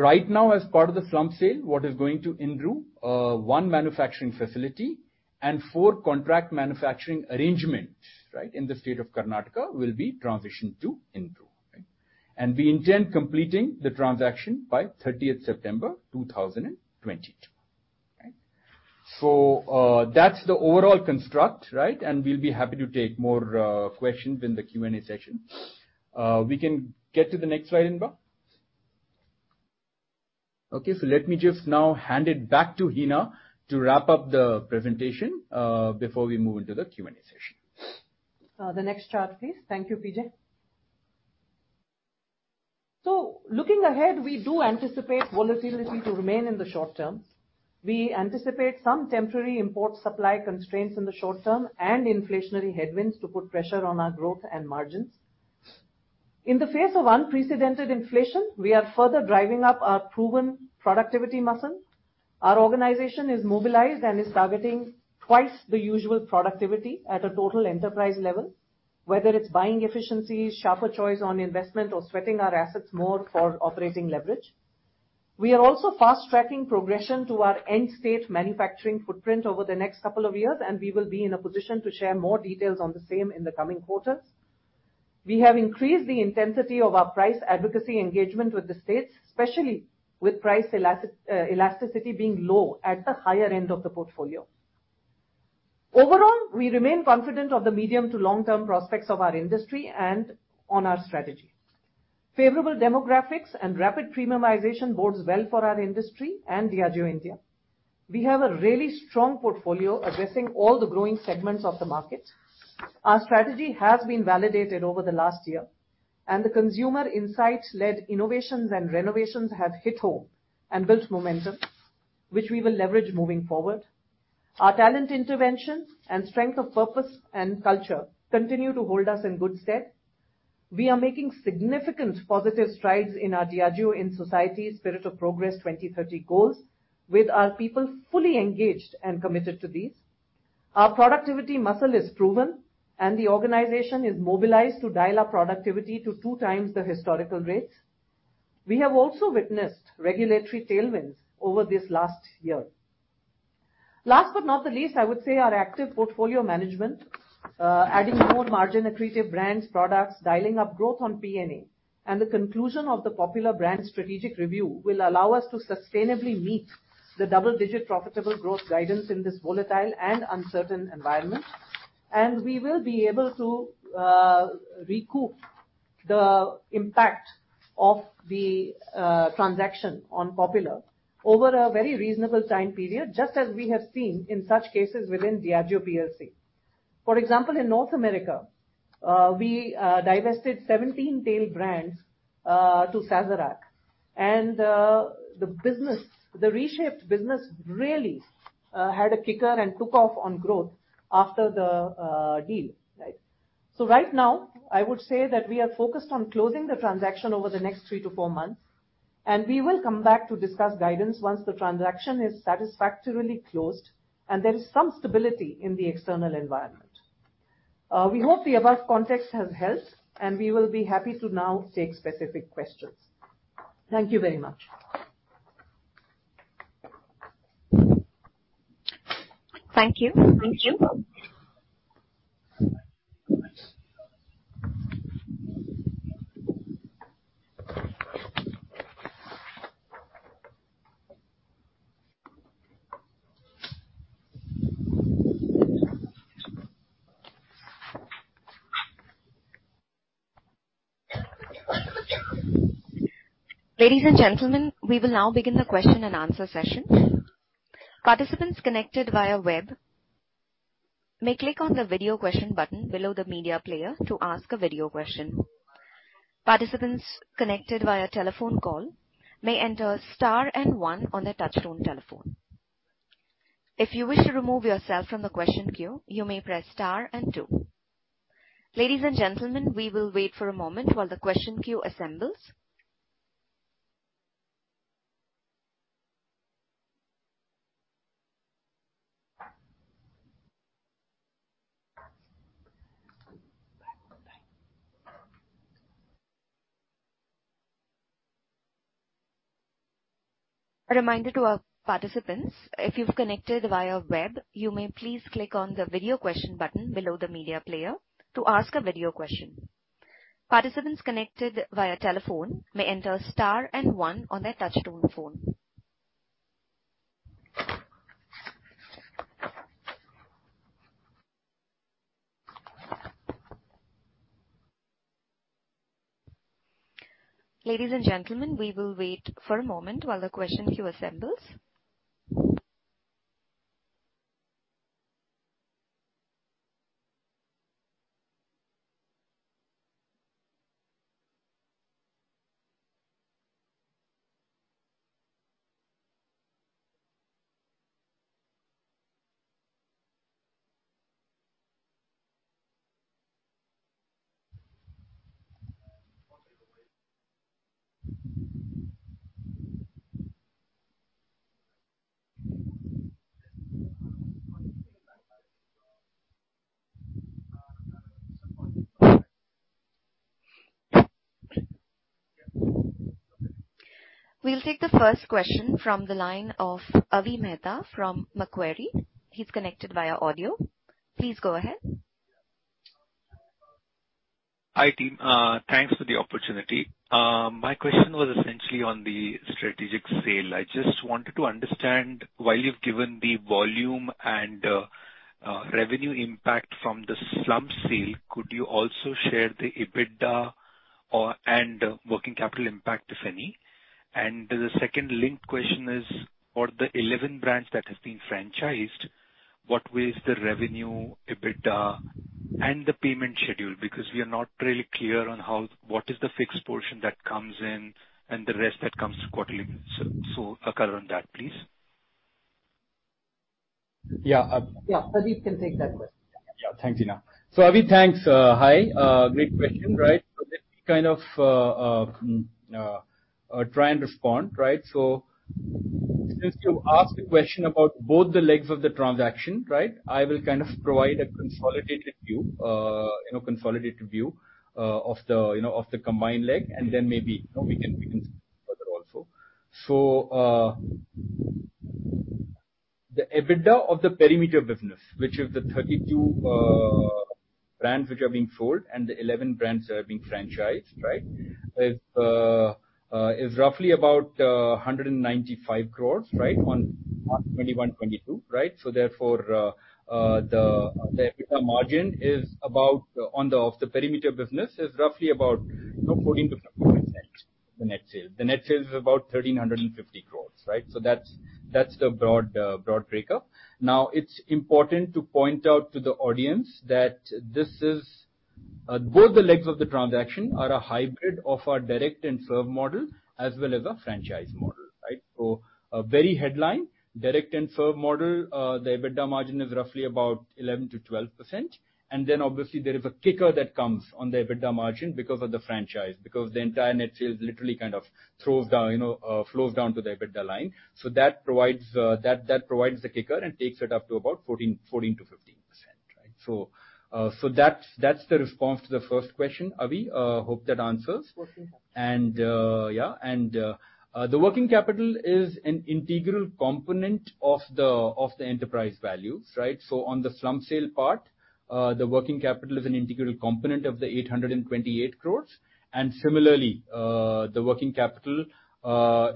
Right now, as part of the slump sale, what is going to Inbrew, one manufacturing facility and four contract manufacturing arrangement, right, in the state of Karnataka will be transitioned to Inbrew, right? We intend completing the transaction by 30 September 2022. Right. That's the overall construct, right? We'll be happy to take more questions in the Q&A session. We can get to the next slide, Inba. Okay. Let me just now hand it back to Hina to wrap up the presentation before we move into the Q&A session. The next chart, please. Thank you, PJ. Looking ahead, we do anticipate volatility to remain in the short term. We anticipate some temporary import supply constraints in the short term and inflationary headwinds to put pressure on our growth and margins. In the face of unprecedented inflation, we are further driving up our proven productivity muscle. Our organization is mobilized and is targeting twice the usual productivity at a total enterprise level, whether it's buying efficiencies, sharper choice on investment or sweating our assets more for operating leverage. We are also fast-tracking progression to our end state manufacturing footprint over the next couple of years, and we will be in a position to share more details on the same in the coming quarters. We have increased the intensity of our price advocacy engagement with the states, especially with price elasticity being low at the higher end of the portfolio. Overall, we remain confident of the medium to long-term prospects of our industry and on our strategy. Favorable demographics and rapid premiumization bodes well for our industry and Diageo India. We have a really strong portfolio addressing all the growing segments of the market. Our strategy has been validated over the last year, and the consumer insights led innovations and renovations have hit home and built momentum, which we will leverage moving forward. Our talent intervention and strength of purpose and culture continue to hold us in good stead. We are making significant positive strides in our Diageo in Society Spirit of Progress 2030 goals with our people fully engaged and committed to these. Our productivity muscle is proven and the organization is mobilized to dial our productivity to 2x the historical rates. We have also witnessed regulatory tailwinds over this last year. Last but not the least, I would say our active portfolio management, adding more margin-accretive brands, products, dialing up growth on P&A, and the conclusion of the Popular brand strategic review will allow us to sustainably meet the double-digit profitable growth guidance in this volatile and uncertain environment. We will be able to recoup the impact of the transaction on Popular over a very reasonable time period, just as we have seen in such cases within Diageo plc. For example, in North America, we divested 17 tail brands to Sazerac. The business, the reshaped business really had a kicker and took off on growth after the deal. Right? Right now, I would say that we are focused on closing the transaction over the next three to four months, and we will come back to discuss guidance once the transaction is satisfactorily closed and there is some stability in the external environment. We hope the above context has helped, and we will be happy to now take specific questions. Thank you very much. Thank you. Thank you. Ladies and gentlemen, we will now begin the question and answer session. Participants connected via web may click on the video question button below the media player to ask a video question. Participants connected via telephone call may enter star and one on their touchtone telephone. If you wish to remove yourself from the question queue, you may press star and two. Ladies and gentlemen, we will wait for a moment while the question queue assembles. A reminder to our participants, if you've connected via web, you may please click on the video question button below the media player to ask a video question. Participants connected via telephone may enter star and one on their touchtone phone. Ladies and gentlemen, we will wait for a moment while the question queue assembles. We'll take the first question from the line of Avi Mehta from Macquarie. He's connected via audio. Please go ahead. Hi, team. Thanks for the opportunity. My question was essentially on the strategic sale. I just wanted to understand, while you've given the volume and revenue impact from the slump sale, could you also share the EBITDA or and working capital impact, if any? The second linked question is, for the 11 brands that have been franchised, what was the revenue, EBITDA and the payment schedule? Because we are not really clear on how what is the fixed portion that comes in and the rest that comes quarterly. A color on that, please. Yeah. Yeah. Pradeep can take that question. Yeah. Thanks, Hina. Avi, thanks. Hi. Great question. Right. Let me kind of try and respond, right? Since you asked a question about both the legs of the transaction, right? I will kind of provide a consolidated view, you know, of the combined leg, and then maybe, you know, we can further also. The EBITDA of the perimeter business, which is the 32 brands which are being sold, and the 11 brands that are being franchised, right? Is roughly about 195 crore, right? On 2021- 2022, right? Therefore, the EBITDA margin of the perimeter business is roughly about 14%-15% of the net sales. The net sales is about 1,350 crores, right? That's the broad breakup. Now, it's important to point out to the audience that this is both the legs of the transaction are a hybrid of our direct and serve model as well as a franchise model, right? A very headline direct and serve model, the EBITDA margin is roughly about 11%-12%. Then obviously there is a kicker that comes on the EBITDA margin because of the franchise, because the entire net sales literally kind of throws down, you know, flows down to the EBITDA line. That provides that provides the kicker and takes it up to about 14%-15%, right? That's the response to the first question, Avi. Hope that answers. Perfect. The working capital is an integral component of the enterprise value, right? On the slump sale part, the working capital is an integral component of the 828 crore. Similarly, the working capital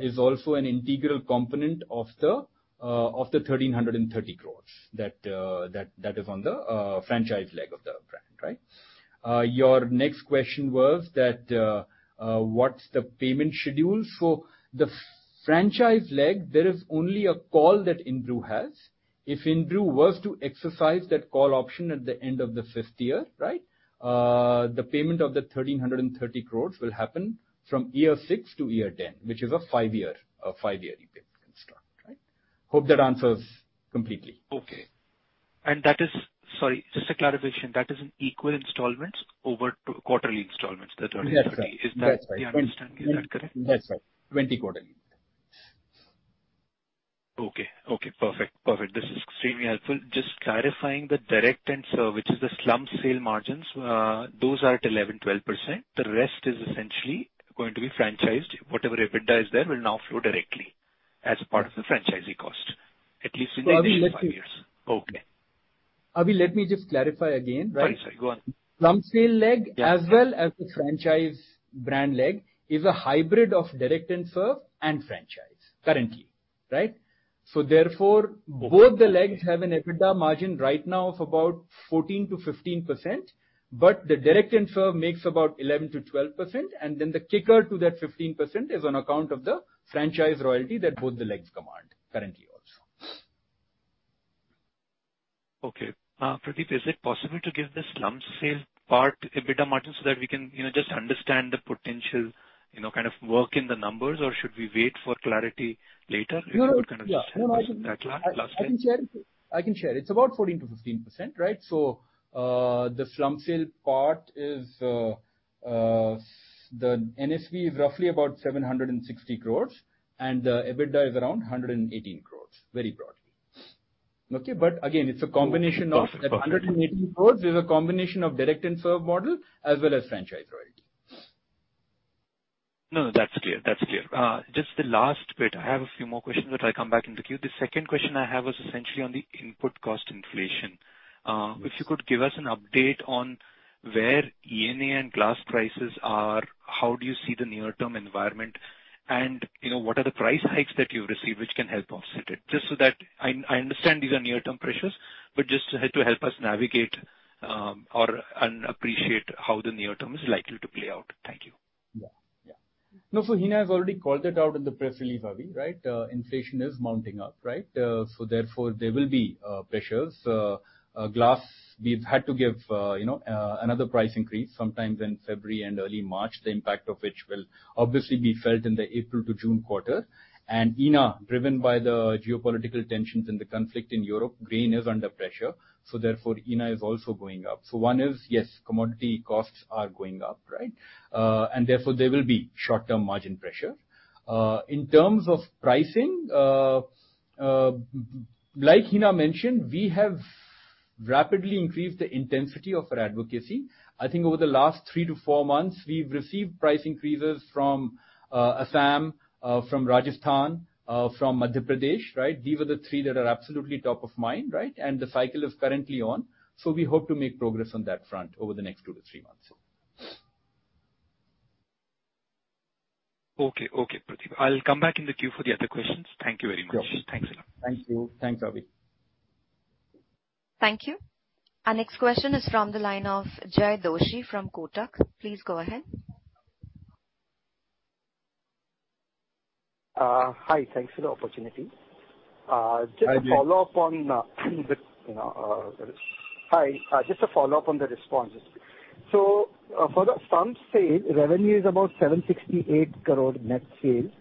is also an integral component of the 1,330 crore that is on the franchise leg of the brand, right? Your next question was that, what's the payment schedule? The franchise leg, there is only a call that Inbrew has. If Inbrew was to exercise that call option at the end of the fifth year, right, the payment of the 1,330 crore will happen from year six to year 10, which is a five-year repayment installment, right? Hope that answers completely. Okay. Sorry, just a clarification. That is in equal installments over quarterly installments. That's right. Is that the understanding, is that correct? That's right. 20 quarterly. Okay, perfect. This is extremely helpful. Just clarifying the direct and serve, which is the slump sale margins, those are at 11%-12%. The rest is essentially going to be franchised. Whatever EBITDA is there will now flow directly as part of the franchisee cost, at least within the next five years. Avi, let me- Okay. Abhi, let me just clarify again, right? Sorry, go on. Slump sale leg as well as the franchise brand leg is a hybrid of direct and serve and franchise currently, right? Therefore, both the legs have an EBITDA margin right now of about 14%-15%, but the direct and serve makes about 11%-12%, and then the kicker to that 15% is on account of the franchise royalty that both the legs command currently also. Okay. Pradeep, is it possible to give the slump sale part EBITDA margin so that we can, you know, just understand the potential, you know, kind of work in the numbers, or should we wait for clarity later? No. I can share. It's about 14%-15%, right? The slump sale part is the NSV, roughly about 760 crores and the EBITDA is around 118 crores, very broadly. Again, the 118 crores is a combination of direct and served model as well as franchise royalty. No, that's clear. That's clear. Just the last bit. I have a few more questions that I'll come back in the queue. The second question I have was essentially on the input cost inflation. If you could give us an update on where ENA and glass prices are, how do you see the near-term environment and, you know, what are the price hikes that you've received which can help offset it? Just so that I understand these are near-term pressures, but just to help us navigate and appreciate how the near term is likely to play out. Thank you. Yeah. No, Hina has already called it out in the press release, Avi, right? Inflation is mounting up, right? Therefore, there will be pressures. Glass, we've had to give, you know, another price increase sometime in February and early March, the impact of which will obviously be felt in the April to June quarter. ENA, driven by the geopolitical tensions and the conflict in Europe, grain is under pressure, so therefore, ENA is also going up. One is, yes, commodity costs are going up, right? Therefore, there will be short-term margin pressure. In terms of pricing, like Hina mentioned, we have rapidly increased the intensity of our advocacy. I think over the last three to four months, we've received price increases from Assam, from Rajasthan, from Madhya Pradesh, right? These are the three that are absolutely top of mind, right? The cycle is currently on. We hope to make progress on that front over the next two to three months. Okay. Okay, Pradeep. I'll come back in the queue for the other questions. Thank you very much. Okay. Thanks a lot. Thank you. Thanks, Avi. Thank you. Our next question is from the line of Jai Doshi from Kotak. Please go ahead. Hi. Thanks for the opportunity. Hi, Jai. Just a follow-up on the responses. For the slump sale, revenue is about 768 crore net sales,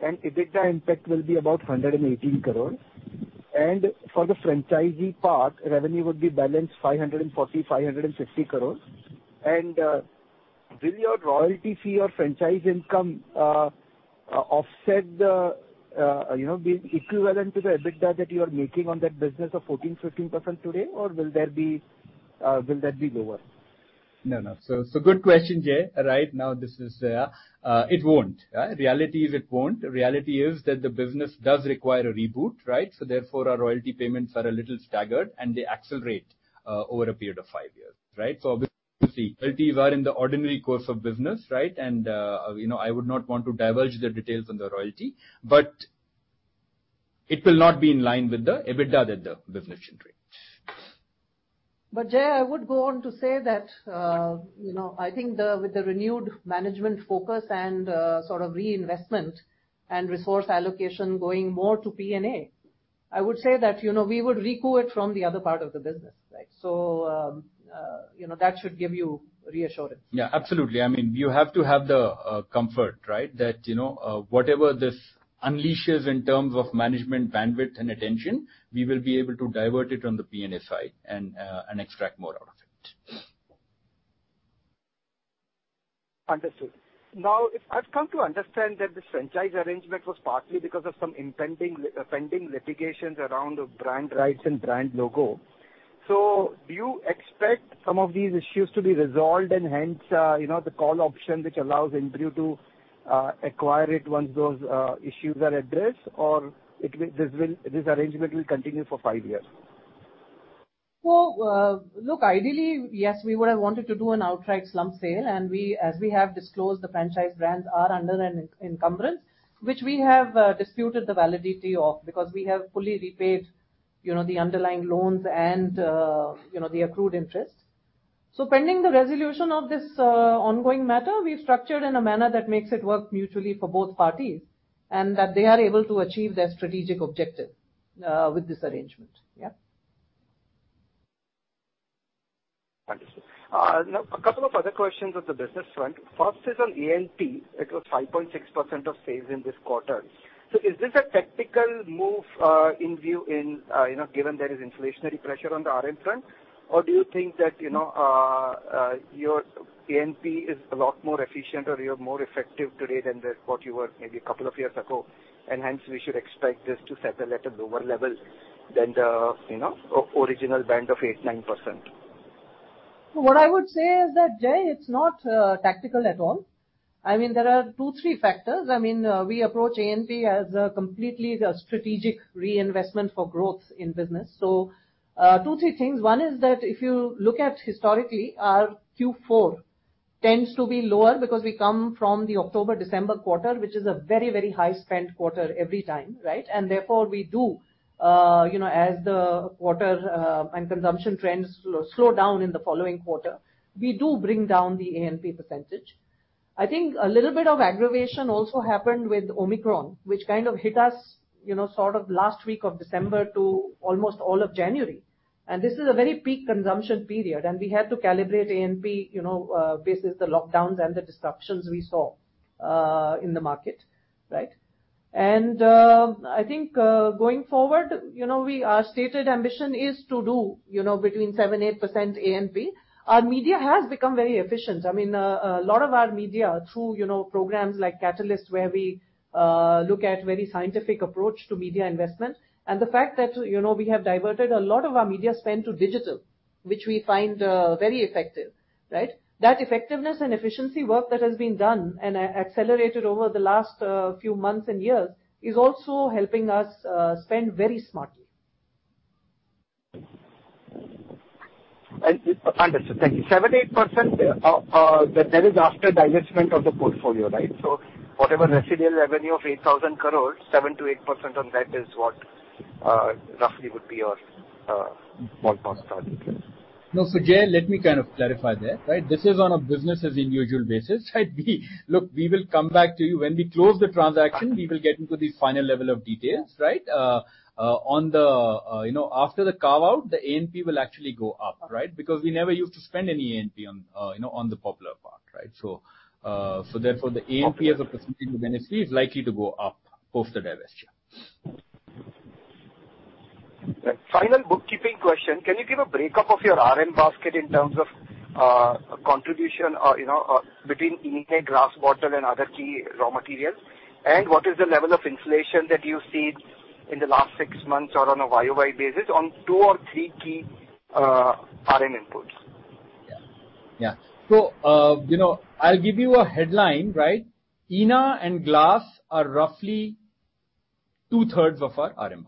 and EBITDA impact will be about 118 crore. For the franchisee part, revenue would be about 540-560 crore. Will your royalty fee or franchise income offset the, you know, be equivalent to the EBITDA that you are making on that business of 14%-15% today, or will that be lower? No, no. Good question, Jai. Right. Now, it won't. The reality is that the business does require a reboot, right? Therefore, our royalty payments are a little staggered, and they accelerate over a period of five years, right? Obviously, royalties are in the ordinary course of business, right? You know, I would not want to divulge the details on the royalty, but it will not be in line with the EBITDA that the business generates. Jai, I would go on to say that, you know, I think with the renewed management focus and sort of reinvestment and resource allocation going more to P&A, I would say that, you know, we would recoup it from the other part of the business, right? So, you know, that should give you reassurance. Yeah, absolutely. I mean, you have to have the comfort, right, that, you know, whatever this unleashes in terms of management bandwidth and attention, we will be able to divert it on the P&A side and extract more out of it. Understood. Now, if I've come to understand that the franchise arrangement was partly because of some pending litigations around the brand rights and brand logo. Do you expect some of these issues to be resolved and hence, you know, the call option which allows Inbrew to acquire it once those issues are addressed? Or this arrangement will continue for five years? Well, look, ideally, yes, we would have wanted to do an outright slump sale. We, as we have disclosed, the franchise brands are under an encumbrance, which we have disputed the validity of because we have fully repaid, you know, the underlying loans and, you know, the accrued interest. Pending the resolution of this ongoing matter, we've structured in a manner that makes it work mutually for both parties, and that they are able to achieve their strategic objective with this arrangement. Yeah. Understood. Now a couple of other questions on the business front. First is on A&P. It was 5.6% of sales in this quarter. Is this a tactical move in view of, you know, given there is inflationary pressure on the RM front? Or do you think that, you know, your A&P is a lot more efficient or you're more effective today than what you were maybe a couple of years ago, and hence we should expect this to settle at a lower level than the, you know, original band of 8%-9%? What I would say is that, Jai, it's not tactical at all. I mean, there are two, three factors. I mean, we approach A&P as a completely strategic reinvestment for growth in business. Two, three things. One is that if you look at historically, our Q4 tends to be lower because we come from the October-December quarter, which is a very, very high spend quarter every time, right? Therefore we do, you know, as the quarter and consumption trends slow down in the following quarter, we do bring down the A&P percentage. I think a little bit of aggravation also happened with Omicron, which kind of hit us, you know, sort of last week of December to almost all of January. This is a very peak consumption period, and we had to calibrate A&P, you know, versus the lockdowns and the disruptions we saw in the market, right? I think, going forward, you know, our stated ambition is to do, you know, between 7%-8% A&P. Our media has become very efficient. I mean, a lot of our media through, you know, programs like Catalyst, where we look at scientific approach to media investment. The fact that, you know, we have diverted a lot of our media spend to digital, which we find very effective, right? That effectiveness and efficiency work that has been done and accelerated over the last few months and years is also helping us spend very smartly. Understood. Thank you. 7%-8%, that is after divestment of the portfolio, right? Whatever residual revenue of 8,000 crores, 7%-8% on that is what roughly would be your ballpark target. No, Jai, let me kind of clarify that, right? This is on a business as usual basis, right? Look, we will come back to you. When we close the transaction, we will get into the final level of details, right? On the, you know, after the carve-out, the A&P will actually go up, right? Because we never used to spend any A&P on, you know, on the Popular part, right? So therefore the A&P as a percentage of NSV is likely to go up post the divestiture. Final bookkeeping question. Can you give a breakup of your RM basket in terms of, contribution, you know, between ENA, glass, bottle and other key raw materials? What is the level of inflation that you've seen in the last six months or on a YoY basis on two or three key RM inputs? Yeah. Yeah. You know, I'll give you a headline, right? ENA and glass are roughly two-thirds of our RM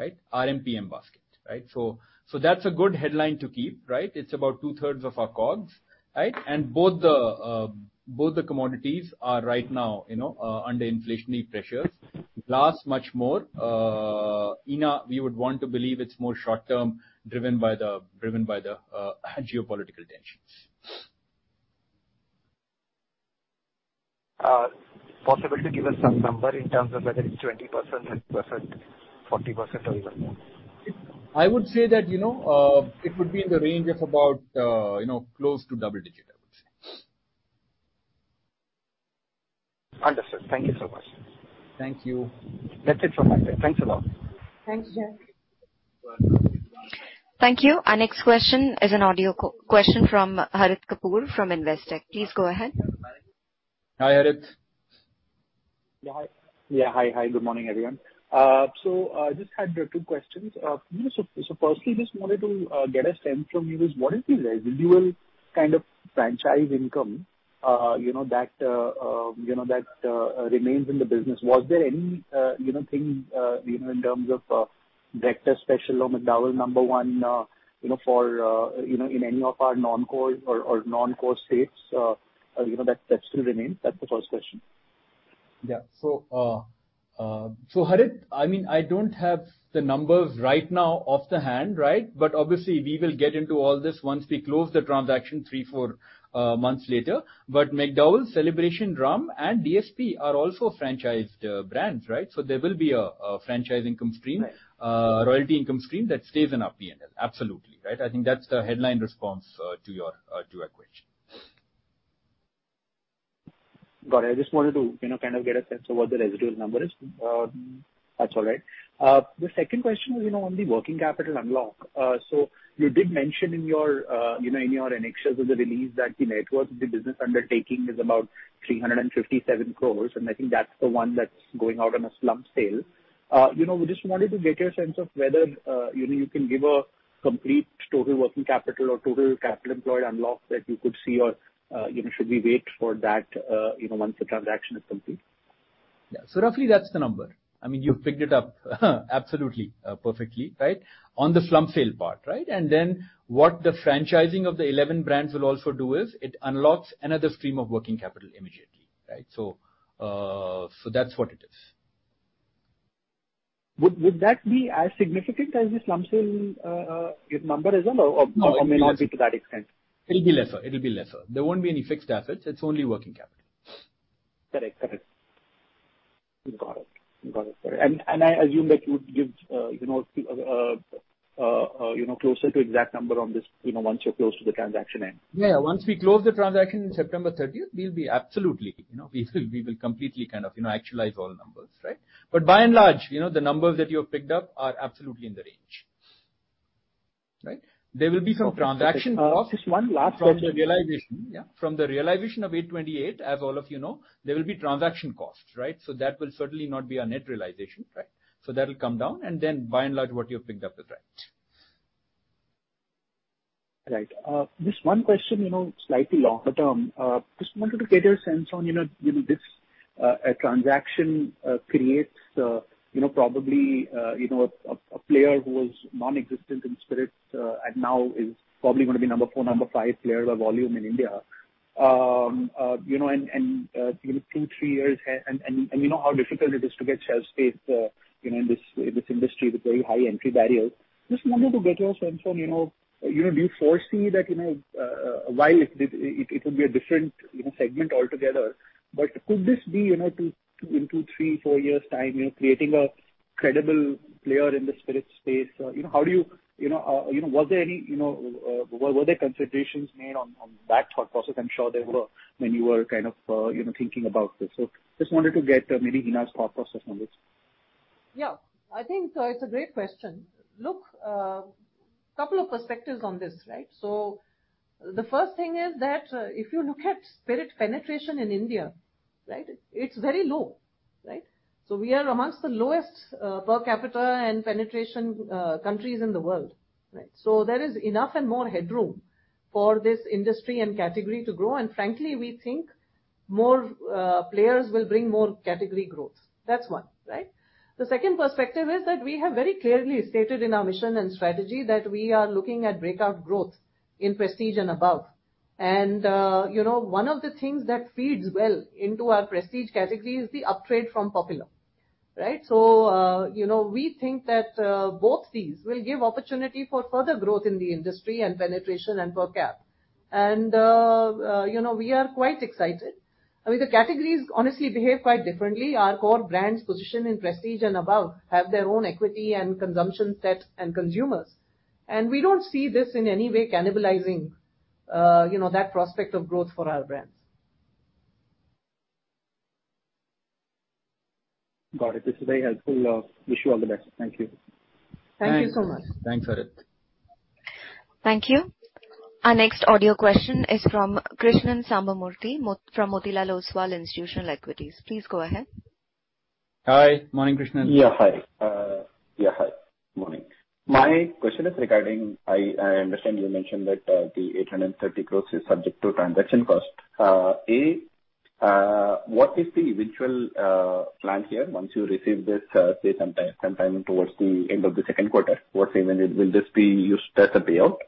basket, right? RMPM basket, right? That's a good headline to keep, right? It's about two-thirds of our COGS, right? Both the commodities are right now, you know, under inflationary pressures. Glass, much more. ENA, we would want to believe it's more short-term, driven by the geopolitical tensions. Possible to give us some number in terms of whether it's 20%, 10%, 40% or even more? I would say that, you know, it would be in the range of about, you know, close to double digit, I would say. Understood. Thank you so much. Thank you. That's it from my side. Thanks a lot. Thanks, Jai. Thank you. Our next question is an audio question from Harit Kapoor from Investec. Please go ahead. Hi, Harit. Hi, good morning, everyone. I just had two questions. Firstly, just wanted to get a sense from you is what is the residual kind of franchise income, you know, that remains in the business? Was there any, you know, thing, you know, in terms of Director's Special or McDowell's No.1, you know, for, you know, in any of our non-core or non-core states, you know, that still remains? That's the first question. Harit, I mean, I don't have the numbers right now offhand, right? Obviously we will get into all this once we close the transaction three to four months later. McDowell's, Celebration, Drum! and DSP are also franchised brands, right? There will be a franchise income stream. Right. Royalty income stream that stays in our P&L. Absolutely, right? I think that's the headline response to your question. Got it. I just wanted to, you know, kind of get a sense of what the residual number is. That's all right. The second question was, you know, on the working capital unlock. You did mention in your, you know, in your annexures of the release that the net worth of the business undertaking is about 357 crore, and I think that's the one that's going out on a slump sale. You know, we just wanted to get a sense of whether, you know, you can give a complete total working capital or total capital employed unlock that you could see or, you know, should we wait for that, you know, once the transaction is complete. Roughly that's the number. I mean, you've picked it up absolutely, perfectly, right? On the slump sale part, right? What the franchising of the 11 brands will also do is, it unlocks another stream of working capital immediately, right? That's what it is. Would that be as significant as the slump sale number as well or may not be to that extent? It'll be lesser. There won't be any fixed assets. It's only working capital. Correct. Got it. I assume that you would give, you know, closer to exact number on this, you know, once you're close to the transaction end. Yeah. Once we close the transaction in September 30, we'll be absolutely, you know, we will completely kind of, you know, actualize all the numbers, right? By and large, you know, the numbers that you have picked up are absolutely in the range. Right? There will be some transaction costs. Okay. Just one last question. From the realization. Yeah. From the realization of 828, as all of you know, there will be transaction costs, right? That will certainly not be our net realization, right? That'll come down. By and large, what you've picked up is right. Right. Just one question, you know, slightly longer term. Just wanted to get a sense on, you know, this transaction creates, you know, probably a player who was non-existent in spirits, and now is probably gonna be number four, number five player by volume in India. You know, and two, three years and you know how difficult it is to get shelf space, you know, in this industry with very high entry barriers. Just wanted to get your sense on, you know, do you foresee that, you know, while it will be a different, you know, segment altogether, but could this be, you know, two. In two, three, four years' time, creating a credible player in the spirits space? Were there considerations made on that thought process? I'm sure there were when you were kind of thinking about this. Just wanted to get maybe Hina's thought process on this. Yeah. I think it's a great question. Look, couple of perspectives on this, right? The first thing is that, if you look at spirit penetration in India, right, it's very low, right? We are amongst the lowest, per capita and penetration, countries in the world, right? There is enough and more headroom for this industry and category to grow. Frankly, we think more players will bring more category growth. That's one. Right? The second perspective is that we have very clearly stated in our mission and strategy that we are looking at breakout growth in prestige and above. You know, one of the things that feeds well into our prestige category is the upgrade from Popular, right? You know, we think that both these will give opportunity for further growth in the industry and penetration and per capita. You know, we are quite excited. I mean, the categories honestly behave quite differently. Our core brands positioned in prestige and above have their own equity and consumption set and consumers. We don't see this in any way cannibalizing that prospect of growth for our brands. Got it. This is very helpful. Wish you all the best. Thank you. Thank you so much. Thanks. Thanks, Harit. Thank you. Our next audio question is from Krishnan Sambamoorthy from Motilal Oswal Institutional Equities. Please go ahead. Hi. Morning, Krishnan. Morning. My question is regarding. I understand you mentioned that the 830 crores is subject to transaction cost. What is the eventual plan here once you receive this, say sometime towards the end of the second quarter? I mean, will this be used as a payout?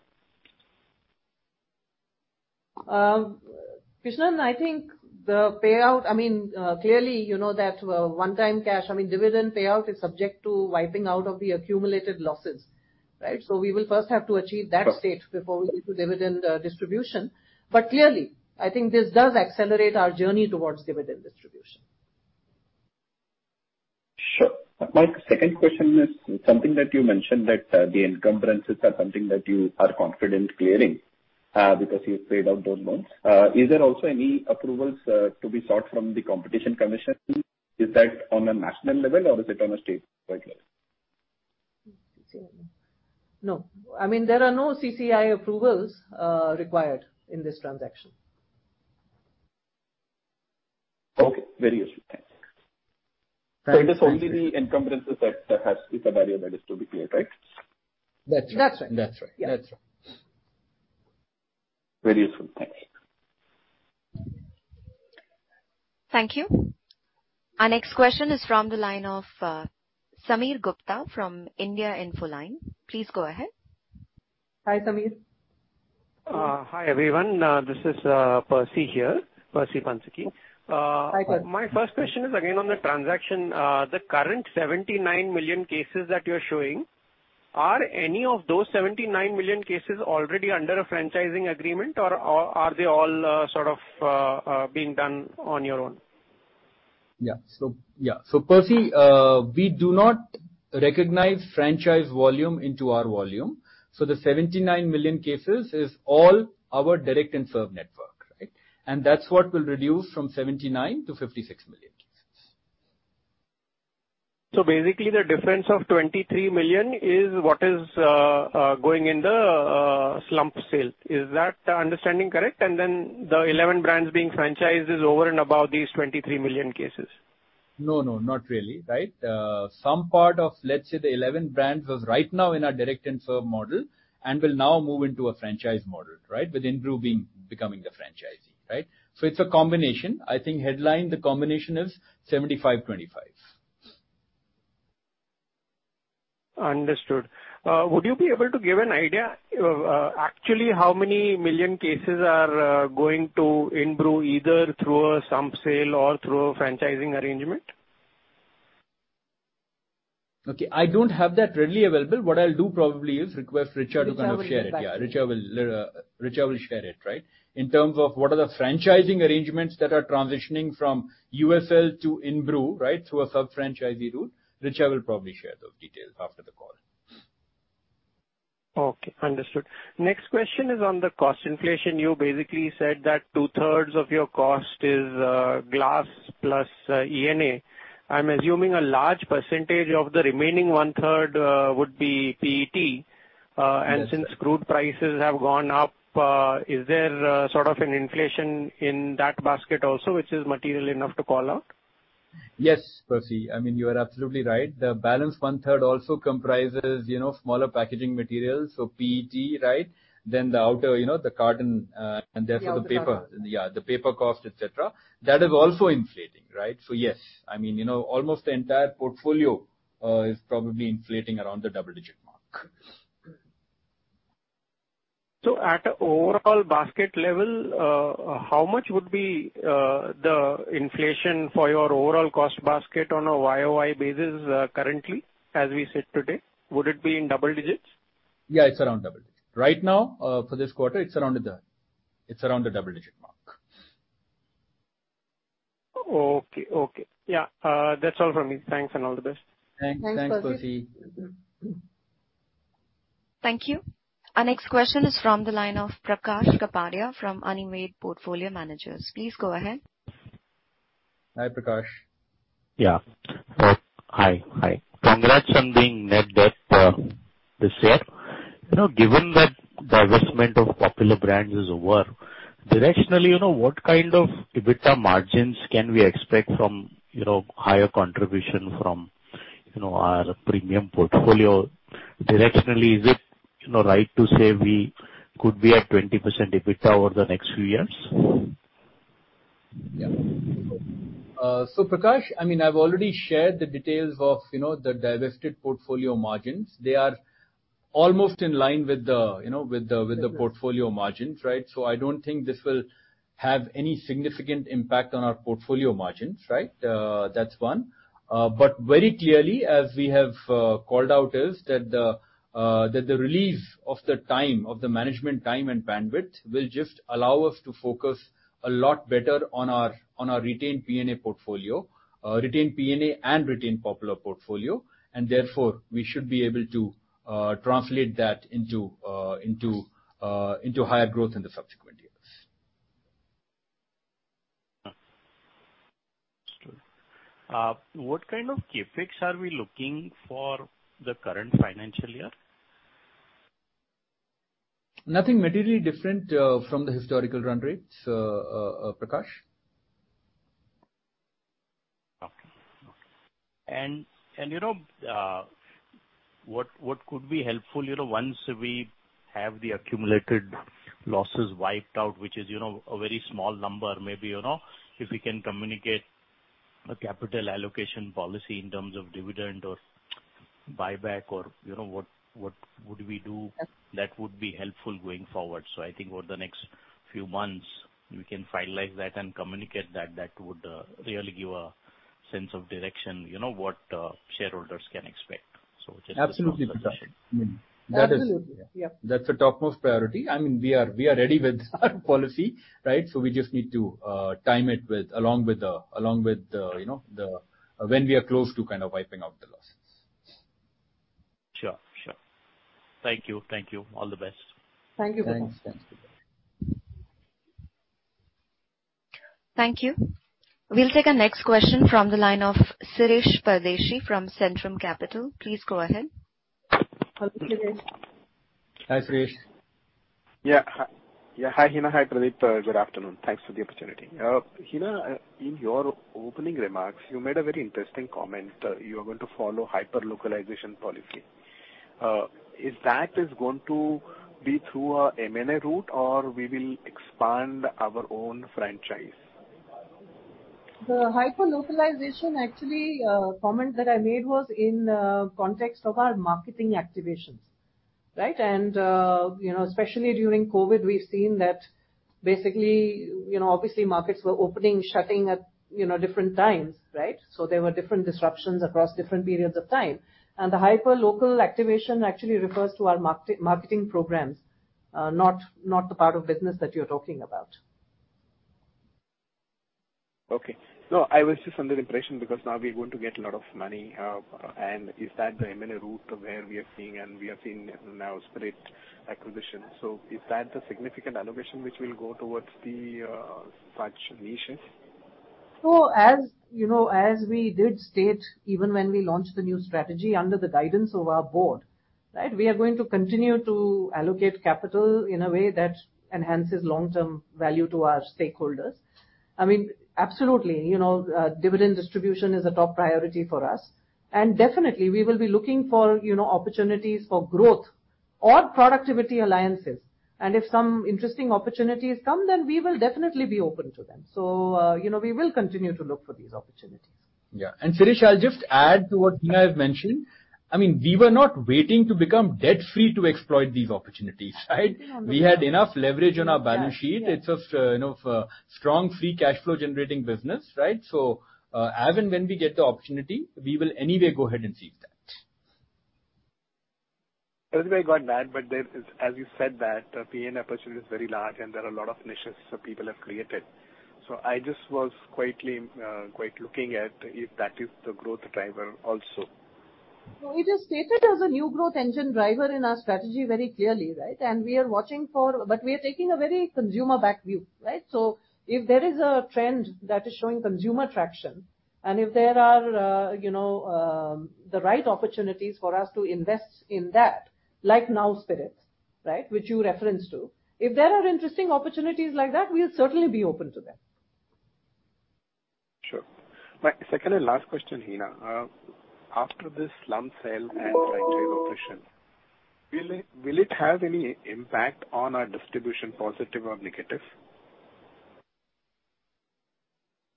Krishnan, I think the payout, I mean, clearly, you know, that, one-time cash, I mean, dividend payout is subject to wiping out of the accumulated losses, right? We will first have to achieve that state- Sure. Before we do dividend distribution. Clearly, I think this does accelerate our journey towards dividend distribution. Sure. My second question is something that you mentioned that, the encumbrances are something that you are confident clearing, because you've paid out those loans. Is there also any approvals to be sought from the Competition Commission? Is that on a national level or is it on a state level? No. I mean, there are no CCI approvals required in this transaction. Okay. Very useful. Thanks. Thank you. It is only the encumbrances that is a barrier that is to be cleared, right? That's right. That's right. That's right. Yeah. That's right. Very useful. Thanks. Thank you. Our next question is from the line of Sameer Gupta from India Infoline. Please go ahead. Hi, Sameer. Hi, everyone. This is Percy here. Percy Panthaki. Hi, Percy. My first question is again on the transaction. The current 79 million cases that you're showing, are any of those 79 million cases already under a franchising agreement or are they all sort of being done on your own? Percy, we do not recognize franchise volume into our volume. The 79 million cases is all our direct and served network, right? That's what will reduce from 79 to 56 million cases. Basically the difference of 23 million is what is going in the slump sale. Is that understanding correct? Then the 11 brands being franchised is over and above these 23 million cases. No, no, not really. Right? Some part of, let's say, the 11 brands was right now in our direct and serve model and will now move into a franchise model, right? With Inbrew becoming the franchisee, right? It's a combination. I think headline, the combination is 75%, 25%. Understood. Would you be able to give an idea, actually how many million cases are going to Inbrew either through a slump sale or through a franchising arrangement? Okay. I don't have that readily available. What I'll do probably is request Richa to kind of share it. Richa will give that. Yeah, Richa will share it, right? In terms of what are the franchising arrangements that are transitioning from USL to Inbrew, right, through a sub-franchisee route. Richa will probably share those details after the call. Okay. Understood. Next question is on the cost inflation. You basically said that two-thirds of your cost is glass + ENA. I'm assuming a large percentage of the remaining one-third would be PET. Since crude prices have gone up, is there sort of an inflation in that basket also which is material enough to call out? Yes, Percy. I mean, you are absolutely right. The balance one-third also comprises, you know, smaller packaging materials. So PET, right? Then the outer, you know, the carton, and therefore the paper. The outer carton. Yeah. The paper cost, et cetera. That is also inflating, right? Yes, I mean, you know, almost the entire portfolio is probably inflating around the double digit mark. At an overall basket level, how much would be the inflation for your overall cost basket on a YoY basis, currently, as we sit today? Would it be in double digits? Yeah, it's around double digits. Right now, for this quarter, it's around the double-digit mark. Okay. Yeah. That's all from me. Thanks, and all the best. Thanks. Thanks, Percy. Thanks, Percy. Thank you. Our next question is from the line of Prakash Kapadia from Anived Portfolio Managers. Please go ahead. Hi, Prakash. Yeah. Hi. Congrats on the net debt this year. You know, given that the divestment of popular brands is over, directionally, you know, what kind of EBITDA margins can we expect from, you know, higher contribution from, you know, our premium portfolio? Directionally, is it, you know, right to say we could be at 20% EBITDA over the next few years? Yeah. Prakash, I mean, I've already shared the details of, you know, the divested portfolio margins. They are almost in line with the, you know, portfolio margins, right? I don't think this will have any significant impact on our portfolio margins, right? That's one. Very clearly, as we have called out is that the release of the management time and bandwidth will just allow us to focus a lot better on our retained P&A portfolio, retained P&A and retained Popular portfolio, and therefore we should be able to translate that into higher growth in the subsequent years. Sure. What kind of CapEx are we looking for the current financial year? Nothing materially different from the historical run rates, Prakash. Okay. What could be helpful, you know, once we have the accumulated losses wiped out, which is, you know, a very small number, maybe, you know, if we can communicate a capital allocation policy in terms of dividend or buyback or, you know, what would we do? Yes. That would be helpful going forward. I think over the next few months, we can finalize that and communicate that. That would really give a sense of direction, you know, what shareholders can expect. Just.... Absolutely, Prakash. I mean, that is. Absolutely. Yeah. That's the topmost priority. I mean, we are ready with our policy, right? We just need to time it with along with the you know the when we are close to kind of wiping out the losses. Sure. Thank you. All the best. Thank you, Prakash. Thanks. Thanks. Thank you. We'll take our next question from the line of Shirish Pardeshi from Centrum Capital. Please go ahead. Hello, Shirish. Hi, Shirish. Hi, Hina. Hi, Pradeep. Good afternoon. Thanks for the opportunity. Hina, in your opening remarks, you made a very interesting comment. You are going to follow hyper-localization policy. Is that going to be through a M&A route or we will expand our own franchise? The hyper-localization actually comment that I made was in context of our marketing activations, right? You know, especially during COVID, we've seen that basically, you know, obviously markets were opening, shutting at, you know, different times, right? There were different disruptions across different periods of time. The hyperlocal activation actually refers to our marketing programs, not the part of business that you're talking about. Okay. No, I was just under the impression because now we're going to get a lot of money, and is that the M&A route where we are seeing now straight acquisitions. Is that the significant allocation which will go towards the such niches? As you know, as we did state, even when we launched the new strategy under the guidance of our board, right? We are going to continue to allocate capital in a way that enhances long-term value to our stakeholders. I mean, absolutely, you know, dividend distribution is a top priority for us. Definitely we will be looking for, you know, opportunities for growth or productivity alliances. If some interesting opportunities come, then we will definitely be open to them. You know, we will continue to look for these opportunities. Yeah. Shirish, I'll just add to what Hina have mentioned. I mean, we were not waiting to become debt free to exploit these opportunities, right? Yeah. We had enough leverage on our balance sheet. Yeah. Yeah. It's a, you know, a strong free cash flow generating business, right? As and when we get the opportunity, we will anyway go ahead and seize that. Everybody got that, but there is, as you said, that P&A opportunity is very large and there are a lot of niches people have created. I just was quietly quite looking at if that is the growth driver also. No, we just stated as a new growth engine driver in our strategy very clearly, right? We are watching for. We are taking a very consumer back view, right? If there is a trend that is showing consumer traction, and if there are, you know, the right opportunities for us to invest in that, like Nao Spirits, right? Which you referenced to. If there are interesting opportunities like that, we'll certainly be open to them. Sure. My second and last question, Hina. After this slump sale and franchise operation, will it have any impact on our distribution, positive or negative?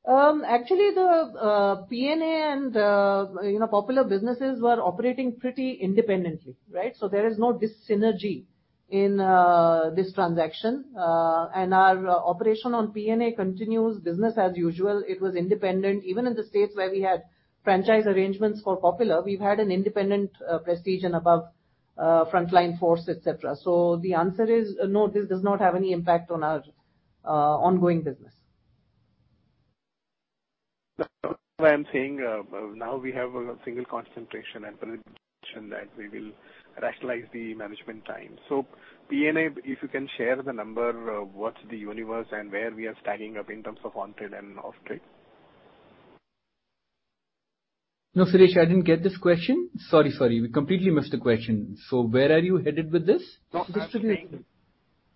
Actually, the P&A and, you know, Popular businesses were operating pretty independently, right? There is no dis-synergy in this transaction. Our operation on P&A continues business as usual. It was independent. Even in the states where we had franchise arrangements for Popular, we've had an independent prestige and above frontline force, et cetera. The answer is no, this does not have any impact on our ongoing business. That's why I'm saying, now we have a single concentration and prediction that we will rationalize the management time. P&A, if you can share the number, what's the universe and where we are stacking up in terms of on-trade and off-trade. No, Shirish, I didn't get this question. Sorry, sorry. We completely missed the question. Where are you headed with this? No,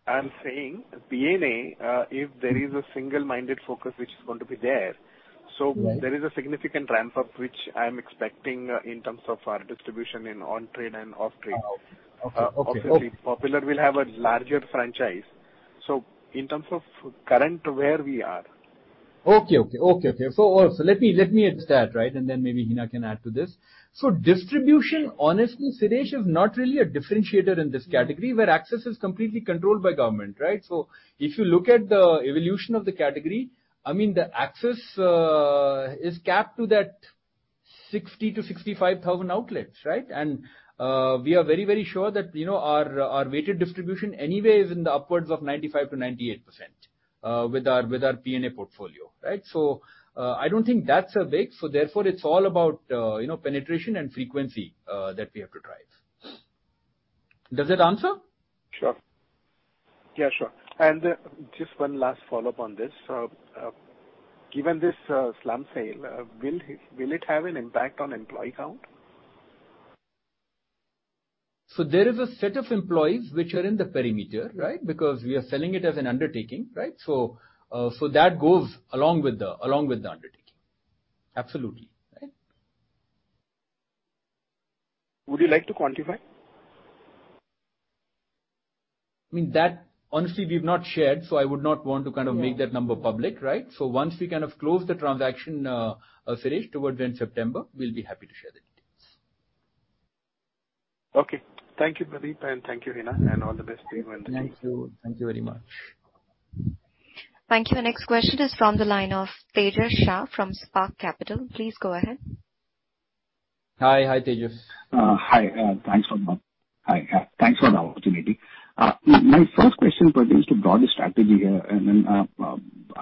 I'm saying P&A, if there is a single-minded focus which is going to be there, so there is a significant ramp up which I'm expecting, in terms of our distribution in on-trade and off-trade. Okay. Okay. Obviously, Popular will have a larger franchise. In terms of current where we are. Okay. Let me start, right, and then maybe Hina can add to this. Distribution, honestly, Shirish is not really a differentiator in this category where access is completely controlled by government, right? If you look at the evolution of the category, I mean, the access is capped to that 60,000-65,000 outlets, right? We are very sure that, you know, our weighted distribution anyway is in the upwards of 95%-98%, with our P&A portfolio, right? I don't think that's a big. Therefore it's all about, you know, penetration and frequency that we have to drive. Does that answer? Sure. Yeah, sure. Just one last follow-up on this. Given this slump sale, will it have an impact on employee count? There is a set of employees which are in the perimeter, right? Because we are selling it as an undertaking, right? That goes along with the undertaking. Absolutely, right. Would you like to quantify? I mean, that honestly we've not shared, so I would not want to kind of make that number public, right? Once we kind of close the transaction, Suresh, towards the end of September, we'll be happy to share the details. Okay. Thank you, Pradeep, and thank you, Hina, and all the best to you in the future. Thank you. Thank you very much. Thank you. Next question is from the line of Tejas Shah from Spark Capital. Please go ahead. Hi. Hi, Tejas. Hi. Thanks for the opportunity. My first question pertains to broader strategy here, and then,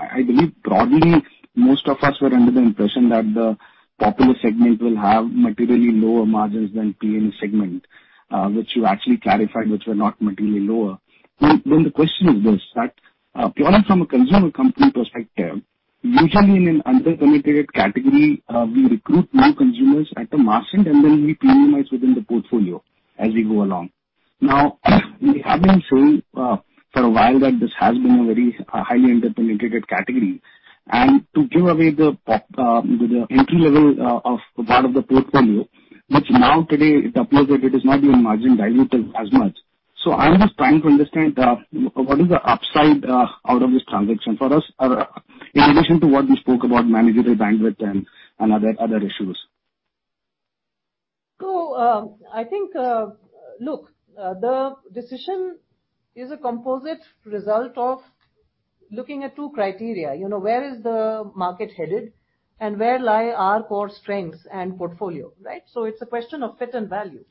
I believe broadly, most of us were under the impression that the Popular segment will have materially lower margins than P&A segment, which you actually clarified, which were not materially lower. Then the question is this, that, purely from a consumer company perspective, usually in an underpenetrated category, we recruit more consumers at the margin and then we premiumize within the portfolio as we go along. Now, we have been saying, for a while that this has been a very, highly underpenetrated category. To give away the entry level, of part of the portfolio, which now today it appears that it is not being margin dilutive as much. I'm just trying to understand what is the upside out of this transaction for us in addition to what you spoke about managerial bandwidth and other issues. I think the decision is a composite result of looking at two criteria. You know, where is the market headed and where lie our core strengths and portfolio, right? It's a question of fit and value.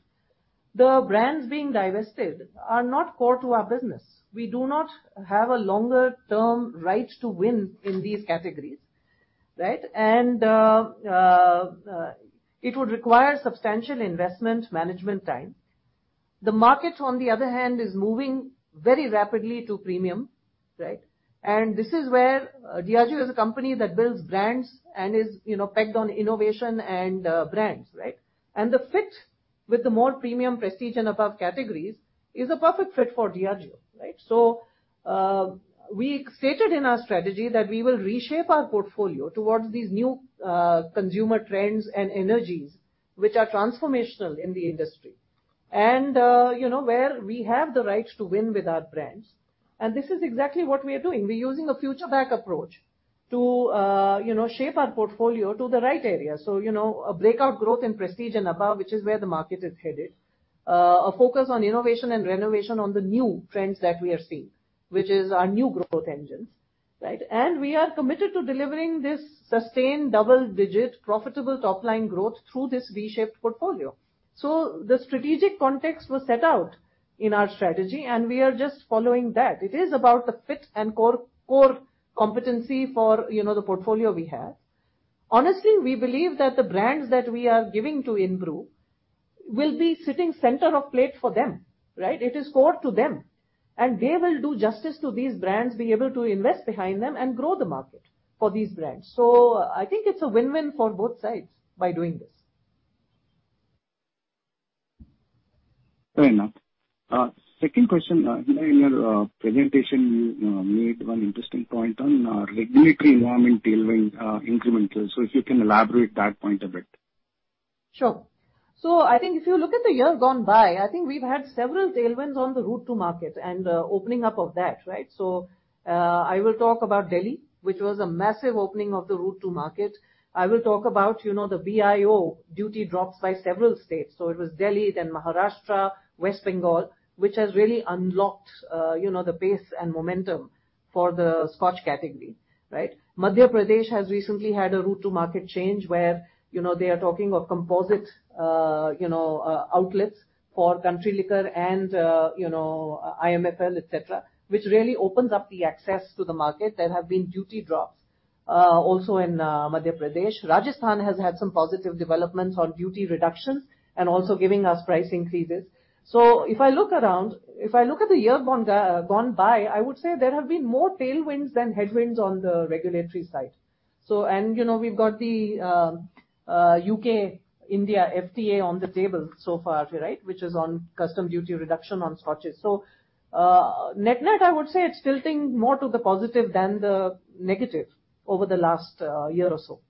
The brands being divested are not core to our business. We do not have a longer-term right to win in these categories, right? It would require substantial investment management time. The market, on the other hand, is moving very rapidly to premium, right? This is where Diageo is a company that builds brands and is, you know, pegged on innovation and brands, right? The fit with the more premium prestige and above categories is a perfect fit for Diageo, right? We stated in our strategy that we will reshape our portfolio towards these new, consumer trends and energies which are transformational in the industry and, you know, where we have the right to win with our brands. This is exactly what we are doing. We're using a future back approach to, you know, shape our portfolio to the right area. You know, a breakout growth in prestige and above, which is where the market is headed. A focus on innovation and renovation on the new trends that we are seeing, which is our new growth engines, right? We are committed to delivering this sustained double-digit profitable top-line growth through this V-shaped portfolio. The strategic context was set out in our strategy, and we are just following that. It is about the fit and core competency for, you know, the portfolio we have. Honestly, we believe that the brands that we are giving to Inbrew will be sitting center of plate for them, right? It is core to them, and they will do justice to these brands, be able to invest behind them and grow the market for these brands. I think it's a win-win for both sides by doing this. Fair enough. Second question. In your presentation, you made one interesting point on regulatory environment tailwind, incremental. If you can elaborate that point a bit. Sure. I think if you look at the year gone by, I think we've had several tailwinds on the route to market and, opening up of that, right? I will talk about Delhi, which was a massive opening of the route to market. I will talk about, you know, the BIO duty drops by several states. It was Delhi, then Maharashtra, West Bengal, which has really unlocked, you know, the pace and momentum for the Scotch category, right? Madhya Pradesh has recently had a route to market change where, you know, they are talking of composite, you know, outlets for country liquor and, you know, IMFL, et cetera, which really opens up the access to the market. There have been duty drops, also in Madhya Pradesh. Rajasthan has had some positive developments on duty reductions and also giving us price increases. If I look at the year gone by, I would say there have been more tailwinds than headwinds on the regulatory side. And, you know, we've got the U.K.-India FTA on the table so far, right? Which is on customs duty reduction on scotches. Net-net, I would say it's tilting more to the positive than the negative over the last year or so.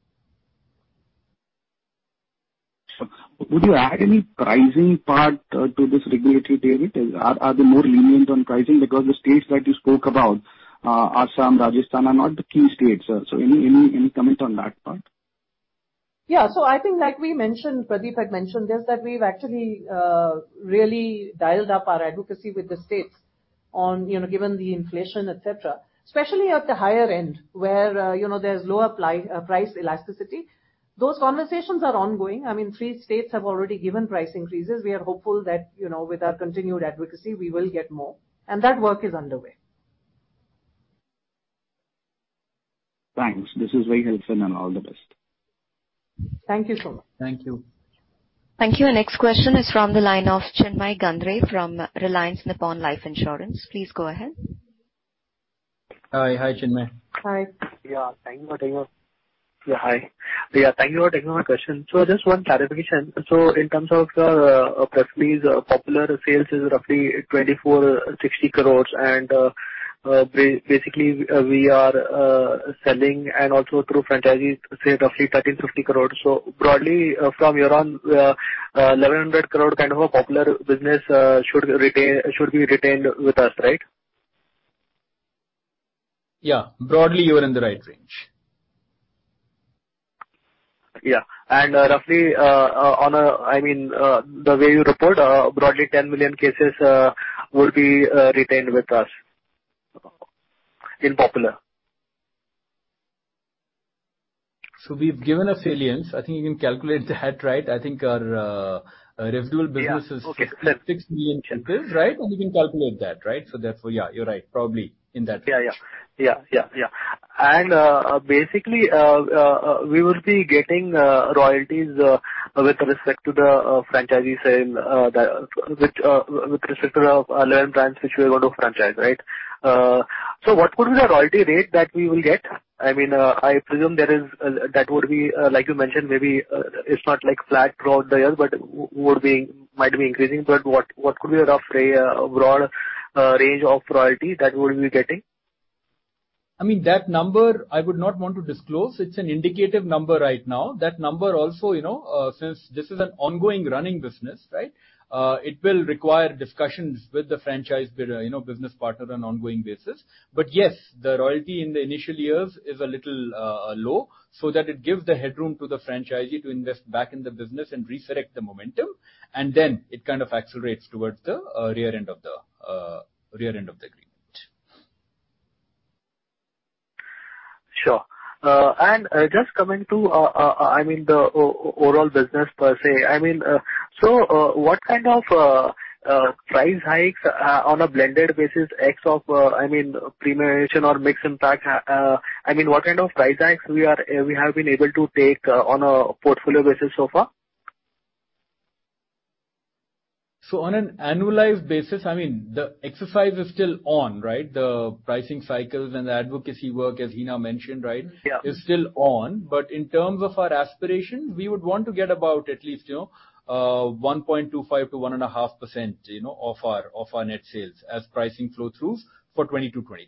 Sure. Would you add any pricing part to this regulatory tailwind? Are they more lenient on pricing? Because the states that you spoke about, Assam, Rajasthan, are not the key states. Any comment on that part? Yeah. I think like we mentioned, Pradeep had mentioned this, that we've actually really dialed up our advocacy with the states on, you know, given the inflation, et cetera. Especially at the higher end, where, you know, there's lower price elasticity. Those conversations are ongoing. I mean, three states have already given price increases. We are hopeful that, you know, with our continued advocacy we will get more, and that work is underway. Thanks. This is very helpful and all the best. Thank you so much. Thank you. Thank you. Next question is from the line of Chinmay Gandre from Reliance Nippon Life Insurance. Please go ahead. Hi. Hi, Chinmay. Hi. Thank you for taking my question. Just one clarification. In terms of, roughly Popular sales is roughly 2,460 crore and basically we are selling and also through franchisees say roughly 1,350 crore. Broadly from your end, 1,100 crore kind of a Popular business should be retained with us, right? Yeah. Broadly you're in the right range. Yeah. Roughly, on a, I mean, the way you report, broadly 10 million cases would be retained with us in Popular. We've given guidance. I think you can calculate that, right? I think our residual business is six million cases, right? You can calculate that, right? Therefore, yeah, you're right. Probably in that range. Yeah. Basically, we will be getting royalties with respect to the franchisees and with respect to our low-end brands which we're going to franchise, right? What would be the royalty rate that we will get? I mean, I presume there is that would be, like you mentioned, maybe it's not like flat throughout the year, but might be increasing. What could be a broad range of royalty that we'll be getting? I mean, that number I would not want to disclose. It's an indicative number right now. That number also, you know, since this is an ongoing running business, right, it will require discussions with the franchise builder, you know, business partner on ongoing basis. Yes, the royalty in the initial years is a little low so that it gives the headroom to the franchisee to invest back in the business and resurrect the momentum, and then it kind of accelerates towards the rear end of the agreement. Sure. Just coming to the overall business per se. I mean, what kind of price hikes on a blended basis ex of premiumization or mix impact, I mean what kind of price hikes we have been able to take on a portfolio basis so far? On an annualized basis, I mean, the exercise is still on, right? The pricing cycles and the advocacy work, as Hina mentioned, right? Yeah. Is still on. In terms of our aspirations, we would want to get about at least, you know, 1.25%-1.5%, you know, of our net sales as pricing flow throughs for 2022-2023.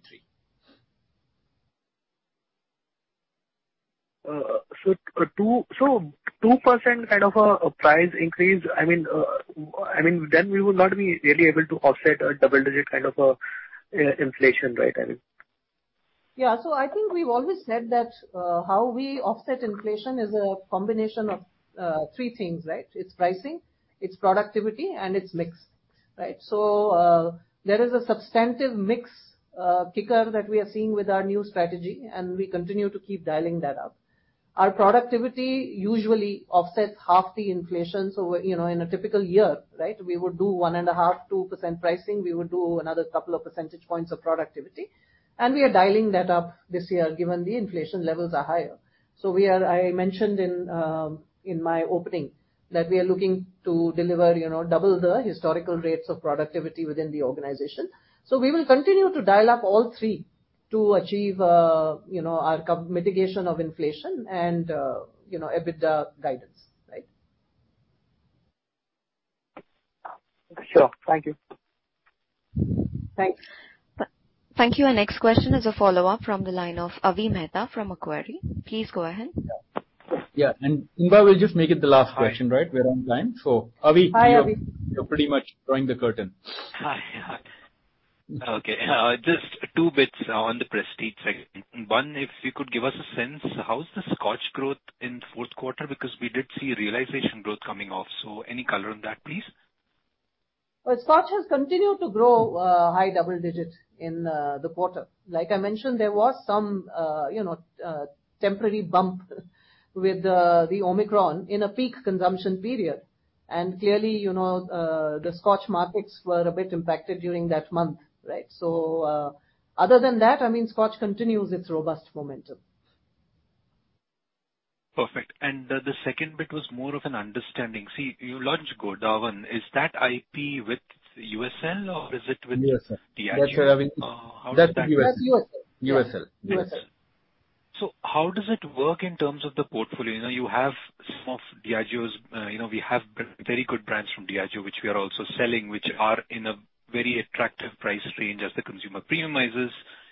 So 2% kind of a price increase, I mean, then we will not be really able to offset a double-digit kind of inflation rate, I mean. Yeah. I think we've always said that how we offset inflation is a combination of three things, right? It's pricing, it's productivity, and it's mix, right? There is a substantive mix kicker that we are seeing with our new strategy, and we continue to keep dialing that up. Our productivity usually offsets half the inflation. You know, in a typical year, right, we would do 1.5%-2% pricing. We would do another couple of percentage points of productivity, and we are dialing that up this year given the inflation levels are higher. I mentioned in my opening that we are looking to deliver, you know, double the historical rates of productivity within the organization. We will continue to dial up all three to achieve, you know, our cost mitigation of inflation and, you know, EBITDA guidance, right? Sure. Thank you. Thanks. Thank you. Our next question is a follow-up from the line of Avi Mehta from Macquarie. Please go ahead. Yeah, Inba, we'll just make it the last question, right? Hi. We're on time. Hi, Avi. You're pretty much drawing the curtain. Hi. Hi. Okay. Just two bits on the prestige segment. One, if you could give us a sense, how's the Scotch growth in Q4? Because we did see realization growth coming off, so any color on that, please? Well, Scotch has continued to grow, high double digits in the quarter. Like I mentioned, there was some, you know, temporary bump with the Omicron in a peak consumption period. Clearly, you know, the Scotch markets were a bit impacted during that month, right? Other than that, I mean, Scotch continues its robust momentum. Perfect. The second bit was more of an understanding. See, you launched Godawan. Is that IP with USL or is it with- USL. -Diageo? That's with USL. That's USL. USL. USL. How does it work in terms of the portfolio? You know, you have some of Diageo's, you know, we have very good brands from Diageo which we are also selling, which are in a very attractive price range as the consumer premiumizes.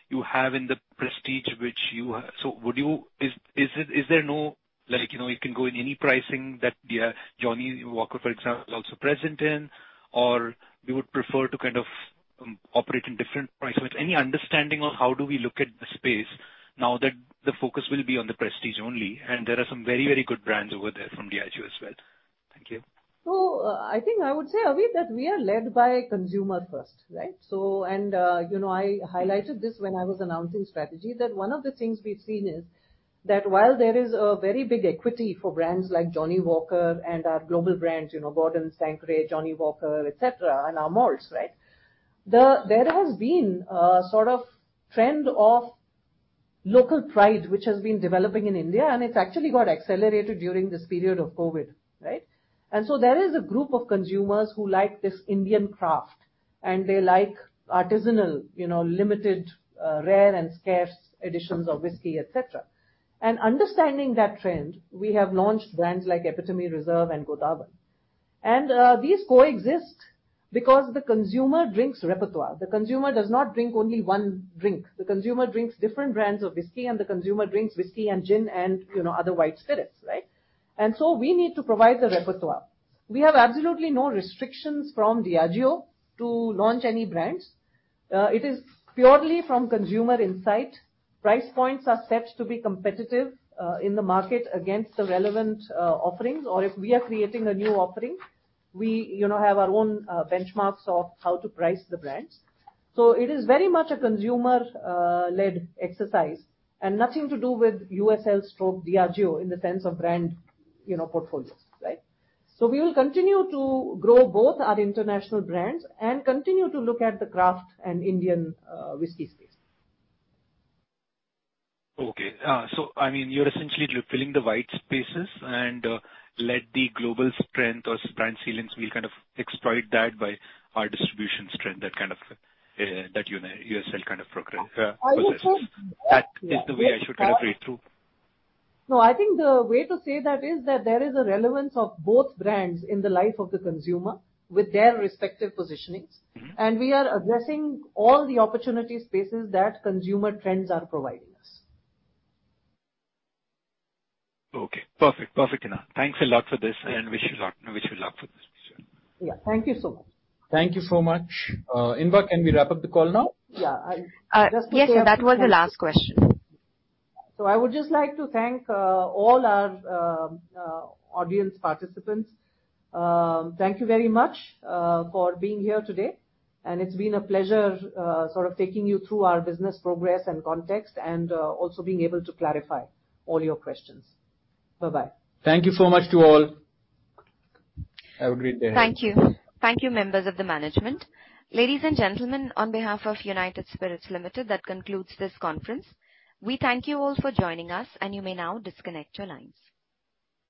You have in the prestige, which you... Would you... Is it, is there no, like, you know, you can go in any pricing that, yeah, Johnnie Walker, for example, is also present in? Or we would prefer to kind of operate in different price points. Any understanding on how do we look at the space now that the focus will be on the prestige only, and there are some very, very good brands over there from Diageo as well. Thank you. I think I would say, Avi, that we are led by consumer first, right? You know, I highlighted this when I was announcing strategy, that one of the things we've seen is that while there is a very big equity for brands like Johnnie Walker and our global brands, you know, Gordon's, Tanqueray, Johnnie Walker, et cetera, and our malts, right? There has been a sort of trend of local pride which has been developing in India, and it's actually got accelerated during this period of COVID, right? There is a group of consumers who like this Indian craft, and they like artisanal, you know, limited, rare and scarce editions of whiskey, et cetera. Understanding that trend, we have launched brands like Epitome Reserve and Godawan. These coexist because the consumer drinks repertoire. The consumer does not drink only one drink. The consumer drinks different brands of whiskey, and the consumer drinks whiskey and gin and, you know, other white spirits, right? We need to provide the repertoire. We have absolutely no restrictions from Diageo to launch any brands. It is purely from consumer insight. Price points are set to be competitive in the market against the relevant offerings, or if we are creating a new offering, we, you know, have our own benchmarks of how to price the brands. It is very much a consumer led exercise and nothing to do with USL/Diageo in the sense of brand, you know, portfolios, right? We will continue to grow both our international brands and continue to look at the craft and Indian whiskey space. I mean, you're essentially filling the white spaces and let the global strength or brand ceilings will kind of exploit that by our distribution strength, that kind of that USL kind of progress. I would say. That is the way I should kind of read through. No, I think the way to say that is that there is a relevance of both brands in the life of the consumer with their respective positionings. Mm-hmm. We are addressing all the opportunity spaces that consumer trends are providing us. Okay. Perfect. Thanks a lot for this and wish you luck for this. Yeah. Thank you so much. Thank you so much. Inba, can we wrap up the call now? Yeah. Yes. That was the last question. I would just like to thank all our audience participants. Thank you very much for being here today, and it's been a pleasure sort of taking you through our business progress and context and also being able to clarify all your questions. Bye-bye. Thank you so much to all. Have a great day. Thank you. Thank you, members of the management. Ladies and gentlemen, on behalf of United Spirits Limited, that concludes this conference. We thank you all for joining us, and you may now disconnect your lines.